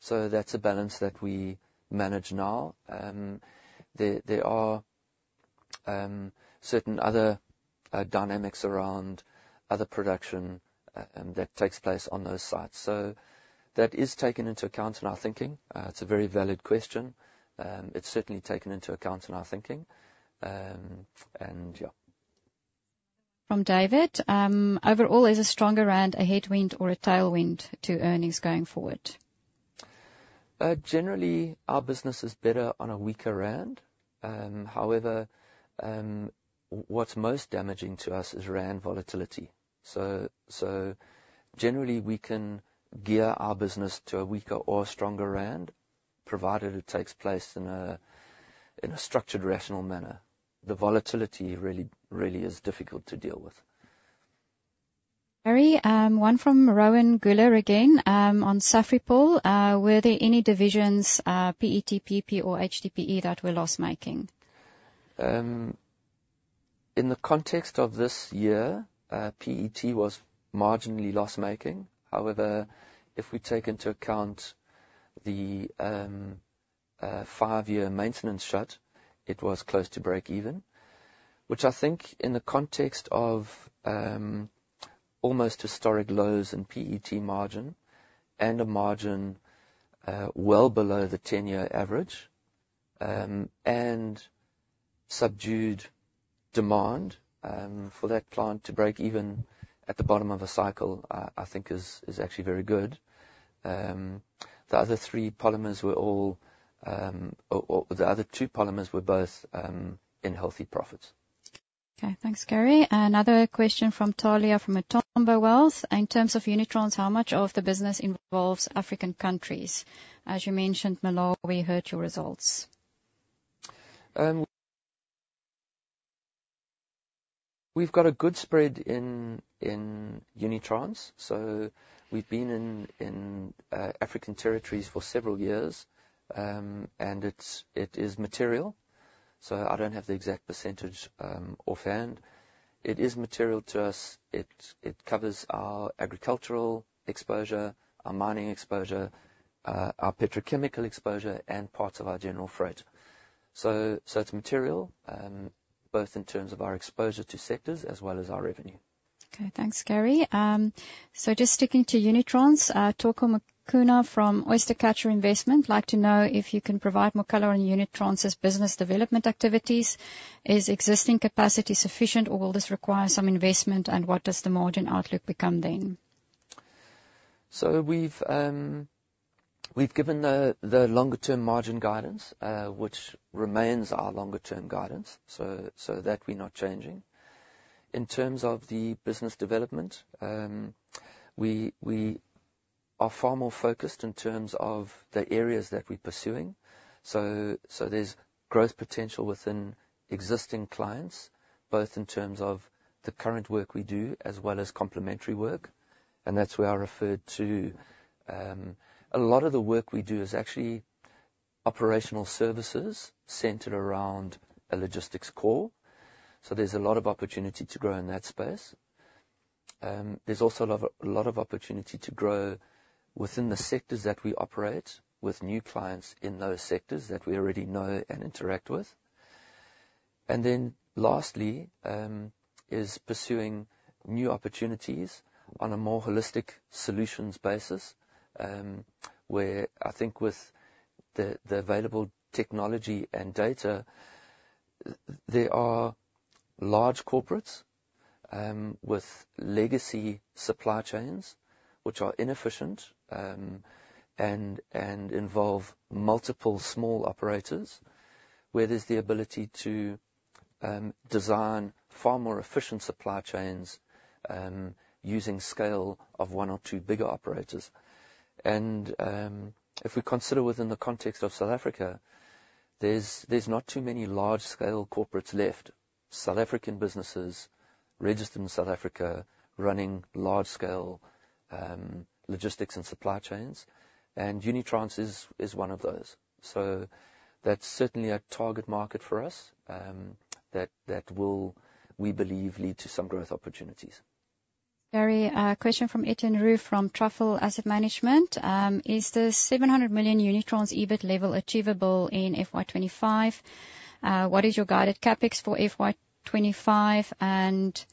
so that's a balance that we manage now. There are certain other dynamics around other production that takes place on those sites. So that is taken into account in our thinking. It's a very valid question. It's certainly taken into account in our thinking, and yeah. From David: Overall, is a stronger Rand a headwind or a tailwind to earnings going forward? Generally, our business is better on a weaker rand. However, what's most damaging to us is rand volatility. Generally, we can gear our business to a weaker or a stronger rand, provided it takes place in a structured, rational manner. The volatility really, really is difficult to deal with. Gary, one from Rowan Goeller again, on Safripol. Were there any divisions, PET, PP, or HDPE that were loss-making? In the context of this year, PET was marginally loss-making. However, if we take into account the five-year maintenance shut, it was close to break even. Which I think in the context of almost historic lows in PET margin and a margin well below the ten-year average, and subdued demand, for that plant to break even at the bottom of a cycle, I think is actually very good. Or the other two polymers were both in healthy profits. Okay. Thanks, Gary. Another question from Talia, from Umthombo Wealth: In terms of Unitrans, how much of the business involves African countries? As you mentioned Malawi, we heard your results. We've got a good spread in Unitrans. So we've been in African territories for several years. And it is material, so I don't have the exact percentage offhand. It is material to us. It covers our agricultural exposure, our mining exposure, our petrochemical exposure, and parts of our general freight. So it's material both in terms of our exposure to sectors as well as our revenue. Okay, thanks, Gary. So just sticking to Unitrans, Thoko Makuna from Oystercatcher Investments likes to know if you can provide more color on Unitrans' business development activities. Is existing capacity sufficient, or will this require some investment, and what does the margin outlook become then? So we've given the longer term margin guidance, which remains our longer term guidance, so that we're not changing. In terms of the business development, we are far more focused in terms of the areas that we're pursuing. So there's growth potential within existing clients, both in terms of the current work we do as well as complementary work, and that's where I referred to a lot of the work we do is actually operational services centered around a logistics core. So there's a lot of opportunity to grow in that space. There's also a lot of opportunity to grow within the sectors that we operate with new clients in those sectors that we already know and interact with. And then lastly is pursuing new opportunities on a more holistic solutions basis. Where, I think, with the available technology and data, there are large corporates with legacy supply chains, which are inefficient and involve multiple small operators, where there's the ability to design far more efficient supply chains using scale of one or two bigger operators, and if we consider within the context of South Africa, there's not too many large-scale corporates left. South African businesses registered in South Africa running large-scale logistics and supply chains, and Unitrans is one of those, so that's certainly a target market for us that will, we believe, lead to some growth opportunities. Gary, a question from Etienne Roux from Truffle Asset Management. Is the 700 million Unitrans EBIT level achievable in FY 2025? What is your guided CapEx for FY 2025? And,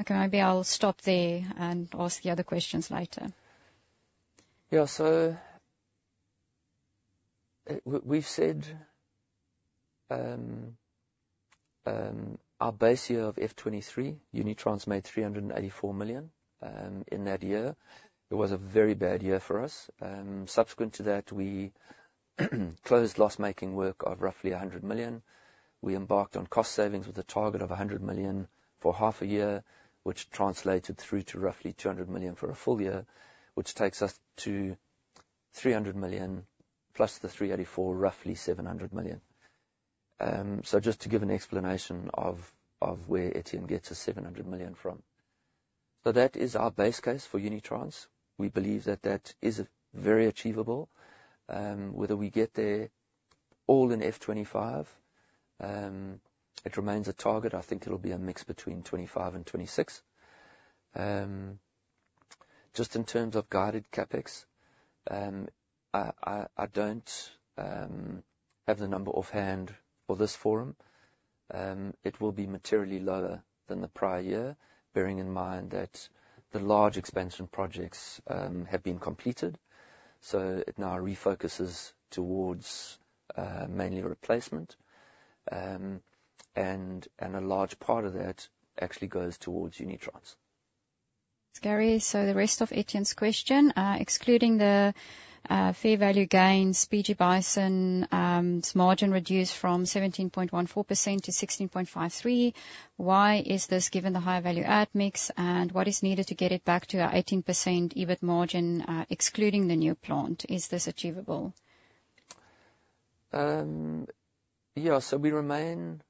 okay, maybe I'll stop there and ask the other questions later. Yeah, so, we've said, our base year of FY 2023, Unitrans made 384 million in that year. It was a very bad year for us. Subsequent to that, we closed loss-making work of roughly 100 million. We embarked on cost savings with a target of 100 million for half a year, which translated through to roughly 200 million for a full year, which takes us to 300 million, plus the 384, roughly 700 million. So just to give an explanation of where Etienne gets his 700 million from. So that is our base case for Unitrans. We believe that that is very achievable. Whether we get there all in FY 2025, it remains a target. I think it'll be a mix between 2025 and 2026. Just in terms of guided CapEx, I don't have the number offhand for this forum. It will be materially lower than the prior year, bearing in mind that the large expansion projects have been completed, so it now refocuses towards mainly replacement, and a large part of that actually goes towards Unitrans. Thanks, Gary. So the rest of Etienne's question: excluding the fair value gains, PG Bison's margin reduced from 17.14% to 16.53%. Why is this, given the high value add mix, and what is needed to get it back to our 18% EBIT margin, excluding the new plant? Is this achievable? Yeah, so we remain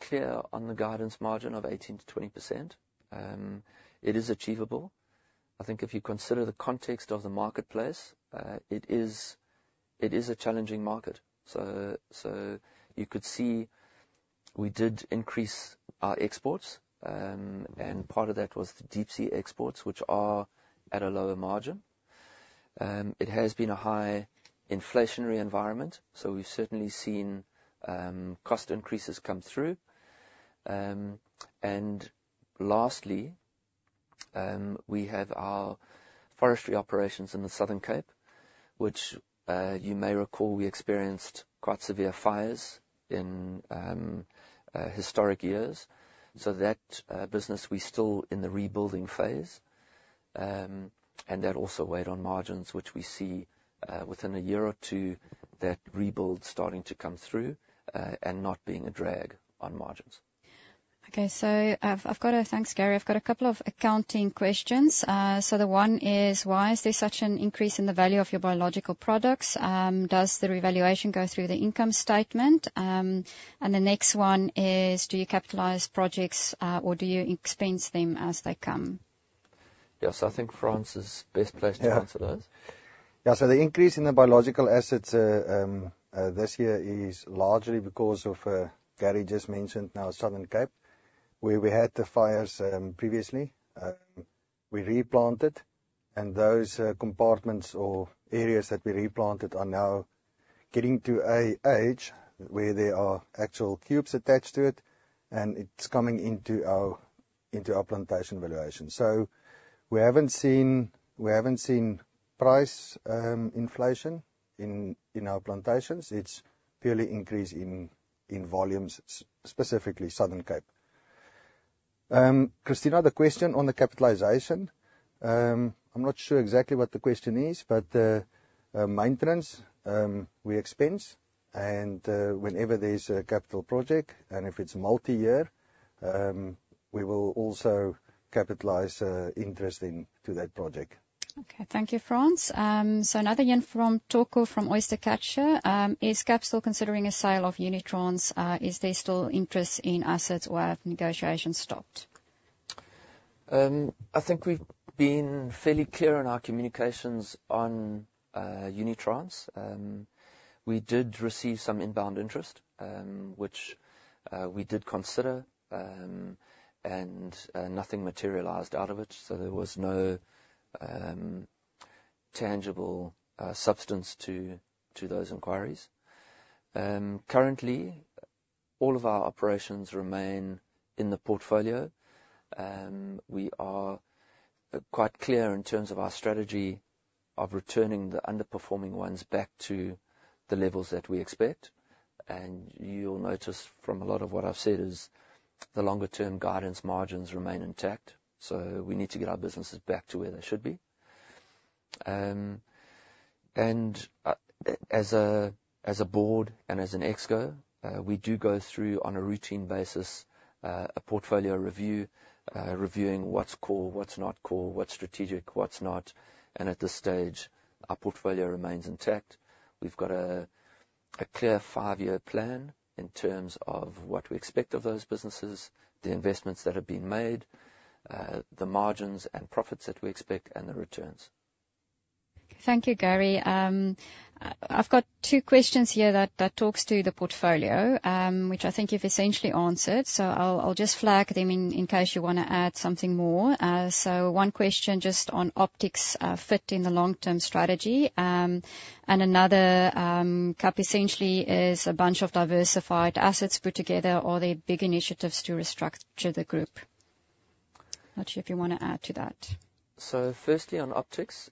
clear on the guidance margin of 18%-20%. It is achievable. I think if you consider the context of the marketplace, it is a challenging market. So you could see we did increase our exports, and part of that was the deep sea exports, which are at a lower margin. It has been a high inflationary environment, so we've certainly seen cost increases come through. Lastly, we have our forestry operations in the Southern Cape, which you may recall, we experienced quite severe fires in historic years. So that business, we're still in the rebuilding phase. That also weighed on margins, which we see within a year or two, that rebuild starting to come through and not being a drag on margins. Okay. Thanks, Gary. I've got a couple of accounting questions. The one is, why is there such an increase in the value of your biological products? Does the revaluation go through the income statement, and the next one is, do you capitalize projects, or do you expense them as they come? Yes, I think Frans is best placed- Yeah -to answer those. Yeah, so the increase in the biological assets this year is largely because of Gary just mentioned, our Southern Cape, where we had the fires previously. We replanted, and those compartments or areas that we replanted are now getting to an age where there are actual cubes attached to it, and it's coming into our plantation valuation. So we haven't seen price inflation in our plantations. It's purely increase in volumes, specifically Southern Cape. Christina, the question on the capitalization, I'm not sure exactly what the question is, but maintenance we expense, and whenever there's a capital project, and if it's multi-year, we will also capitalize interest into that project. Okay. Thank you, Frans. So another one from Toko, from Oystercatcher. Is KAP still considering a sale of Unitrans? Is there still interest in assets, or have negotiations stopped? I think we've been fairly clear in our communications on Unitrans. We did receive some inbound interest, which we did consider, and nothing materialized out of it, so there was no tangible substance to those inquiries. Currently, all of our operations remain in the portfolio. We are quite clear in terms of our strategy of returning the underperforming ones back to the levels that we expect. And you'll notice from a lot of what I've said is the longer-term guidance margins remain intact, so we need to get our businesses back to where they should be. And as a board and as an exco, we do go through, on a routine basis, a portfolio review, reviewing what's core, what's not core, what's strategic, what's not, and at this stage, our portfolio remains intact. We've got a clear five-year plan in terms of what we expect of those businesses, the investments that have been made, the margins and profits that we expect, and the returns. Thank you, Gary. I've got two questions here that talks to the portfolio, which I think you've essentially answered, so I'll just flag them in case you wanna add something more. So one question just on Optix, fit in the long-term strategy. And another, KAP essentially is a bunch of diversified assets put together or are they big initiatives to restructure the group? Not sure if you wanna add to that. So firstly, on Optix.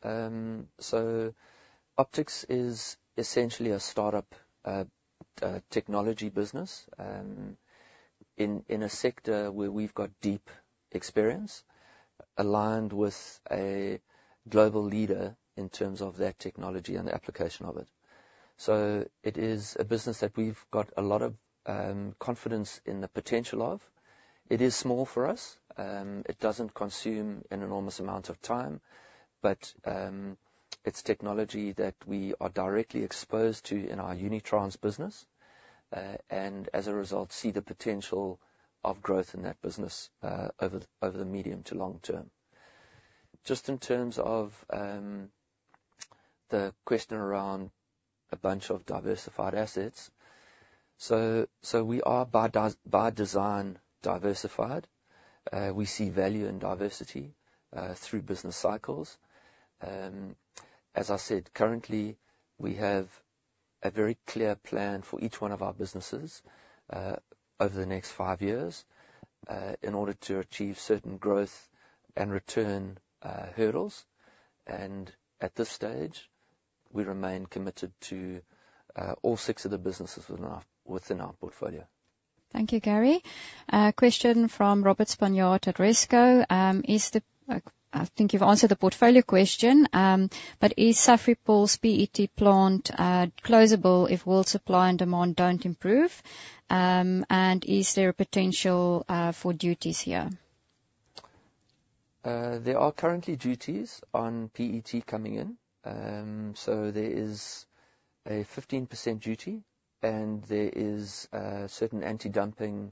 So Optix is essentially a start-up technology business in a sector where we've got deep experience, aligned with a global leader in terms of that technology and the application of it. So it is a business that we've got a lot of confidence in the potential of. It is small for us, it doesn't consume an enormous amount of time, but it's technology that we are directly exposed to in our Unitrans business. And as a result, see the potential of growth in that business over the medium to long term. Just in terms of the question around a bunch of diversified assets. So we are, by design, diversified. We see value in diversity through business cycles. As I said, currently, we have a very clear plan for each one of our businesses, over the next five years, in order to achieve certain growth and return hurdles. And at this stage, we remain committed to all six of the businesses within our portfolio. Thank you, Gary. A question from Robert Spanjaard at Rezco. I think you've answered the portfolio question, but is Safripol's PET plant closable if world supply and demand don't improve? And is there a potential for duties here? There are currently duties on PET coming in. So there is a 15% duty, and there is certain anti-dumping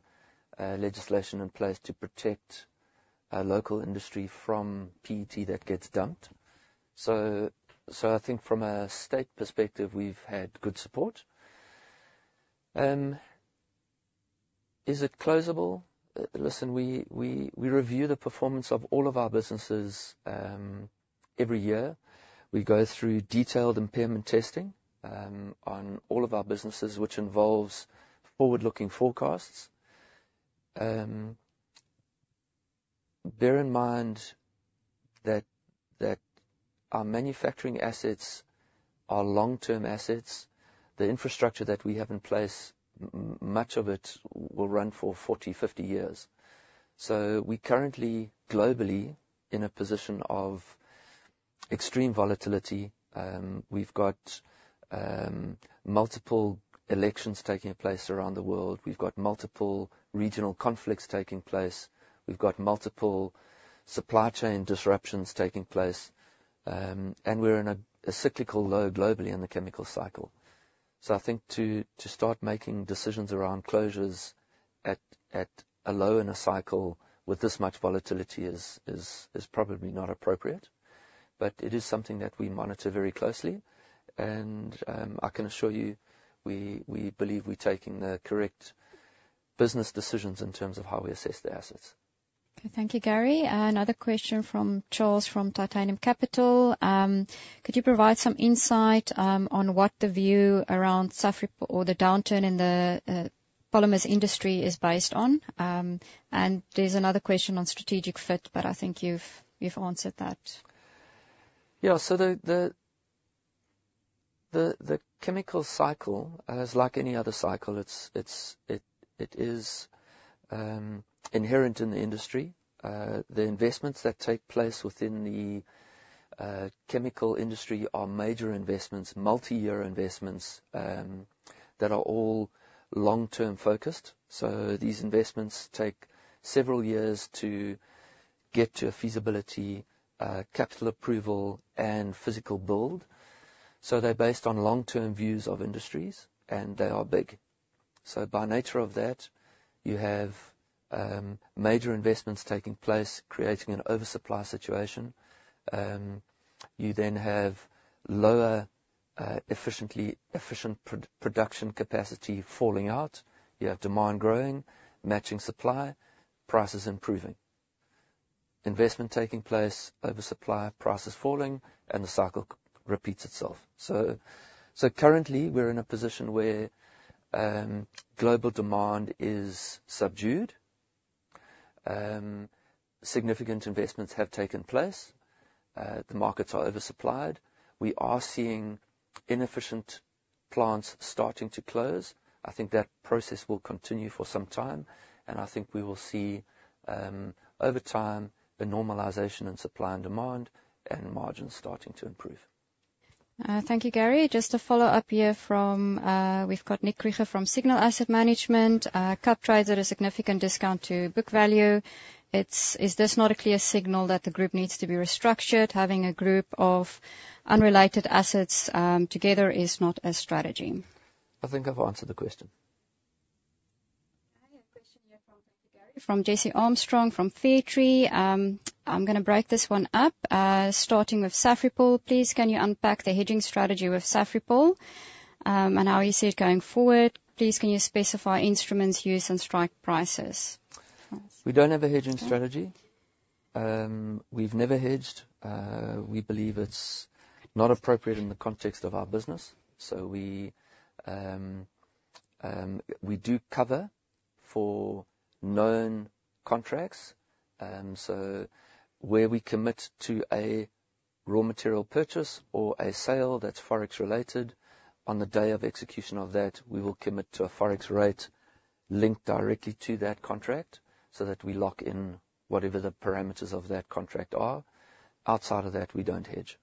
legislation in place to protect our local industry from PET that gets dumped. So I think from a state perspective, we've had good support. Is it closable? Listen, we review the performance of all of our businesses every year. We go through detailed impairment testing on all of our businesses, which involves forward-looking forecasts. Bear in mind that our manufacturing assets are long-term assets. The infrastructure that we have in place, much of it will run for 40-50 years. So we're currently, globally, in a position of extreme volatility. We've got multiple elections taking place around the world. We've got multiple regional conflicts taking place. We've got multiple supply chain disruptions taking place, and we're in a cyclical low globally in the chemical cycle. So I think to start making decisions around closures at a low in a cycle with this much volatility is probably not appropriate. But it is something that we monitor very closely, and I can assure you, we believe we're taking the correct business decisions in terms of how we assess the assets. Okay. Thank you, Gary. Another question from Charles from Titanium Capital. Could you provide some insight on what the view around Safripol or the downturn in the polymers industry is based on? And there's another question on strategic fit, but I think you've answered that. Yeah. So the chemical cycle is like any other cycle. It's inherent in the industry. The investments that take place within the chemical industry are major investments, multi-year investments that are all long-term focused. So these investments take several years to get to a feasibility capital approval and physical build. So they're based on long-term views of industries, and they are big. So by nature of that, you have major investments taking place, creating an oversupply situation. You then have lower efficient production capacity falling out. You have demand growing, matching supply, prices improving. Investment taking place, oversupply, prices falling, and the cycle repeats itself. So currently, we're in a position where global demand is subdued. Significant investments have taken place. The markets are oversupplied. We are seeing inefficient plants starting to close. I think that process will continue for some time, and I think we will see, over time, a normalization in supply and demand and margins starting to improve. Thank you, Gary. Just a follow-up here from, we've got Nick Krieger from Signal Asset Management. KAP trades at a significant discount to book value. Is this not a clear signal that the group needs to be restructured? Having a group of unrelated assets together is not a strategy. I think I've answered the question. From Jesse Armstrong, from Fairtree. I'm gonna break this one up, starting with Safripol. Please, can you unpack the hedging strategy with Safripol, and how you see it going forward? Please, can you specify instruments used and strike prices? We don't have a hedging strategy. We've never hedged. We believe it's not appropriate in the context of our business, so we do cover for known contracts, so where we commit to a raw material purchase or a sale that's Forex related, on the day of execution of that, we will commit to a Forex rate linked directly to that contract so that we lock in whatever the parameters of that contract are. Outside of that, we don't hedge.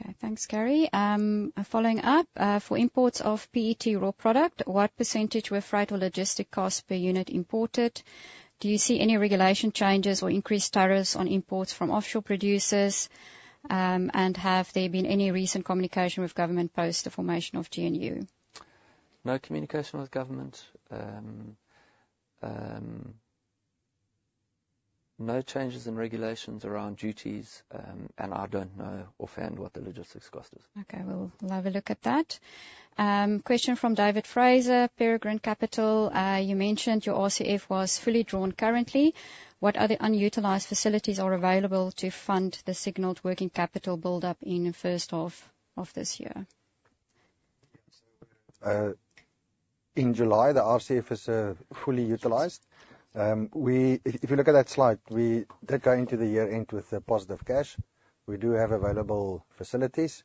Okay. Thanks, Gary. Following up, for imports of PET raw product, what percentage were freight or logistic costs per unit imported? Do you see any regulation changes or increased tariffs on imports from offshore producers? And have there been any recent communication with government post the formation of GNU? No communication with government. No changes in regulations around duties, and I don't know offhand what the logistics cost is. Okay. We'll, we'll have a look at that. Question from David Fraser, Peregrine Capital. You mentioned your RCF was fully drawn currently. What other unutilized facilities are available to fund the signaled working capital build-up in the first half of this year? In July, the RCF is fully utilized. If you look at that slide, we did go into the year-end with a positive cash. We do have available facilities,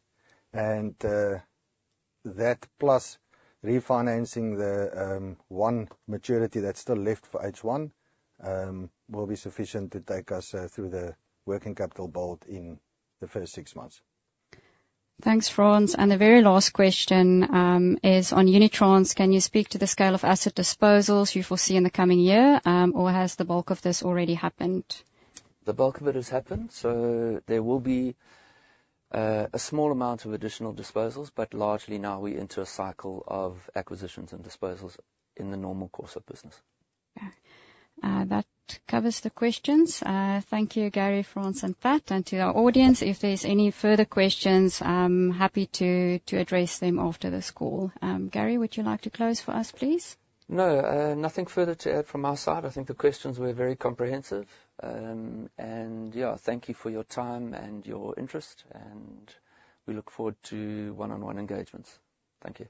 and that plus refinancing the one maturity that's still left for H1 will be sufficient to take us through the working capital build in the first six months. Thanks, Frans. And the very last question is on Unitrans. Can you speak to the scale of asset disposals you foresee in the coming year, or has the bulk of this already happened? The bulk of it has happened, so there will be a small amount of additional disposals, but largely now we enter a cycle of acquisitions and disposals in the normal course of business. Yeah. That covers the questions. Thank you, Gary, Frans, and Pat, and to our audience. If there's any further questions, I'm happy to address them after this call. Gary, would you like to close for us, please? No, nothing further to add from our side. I think the questions were very comprehensive, and yeah, thank you for your time and your interest, and we look forward to one-on-one engagements. Thank you.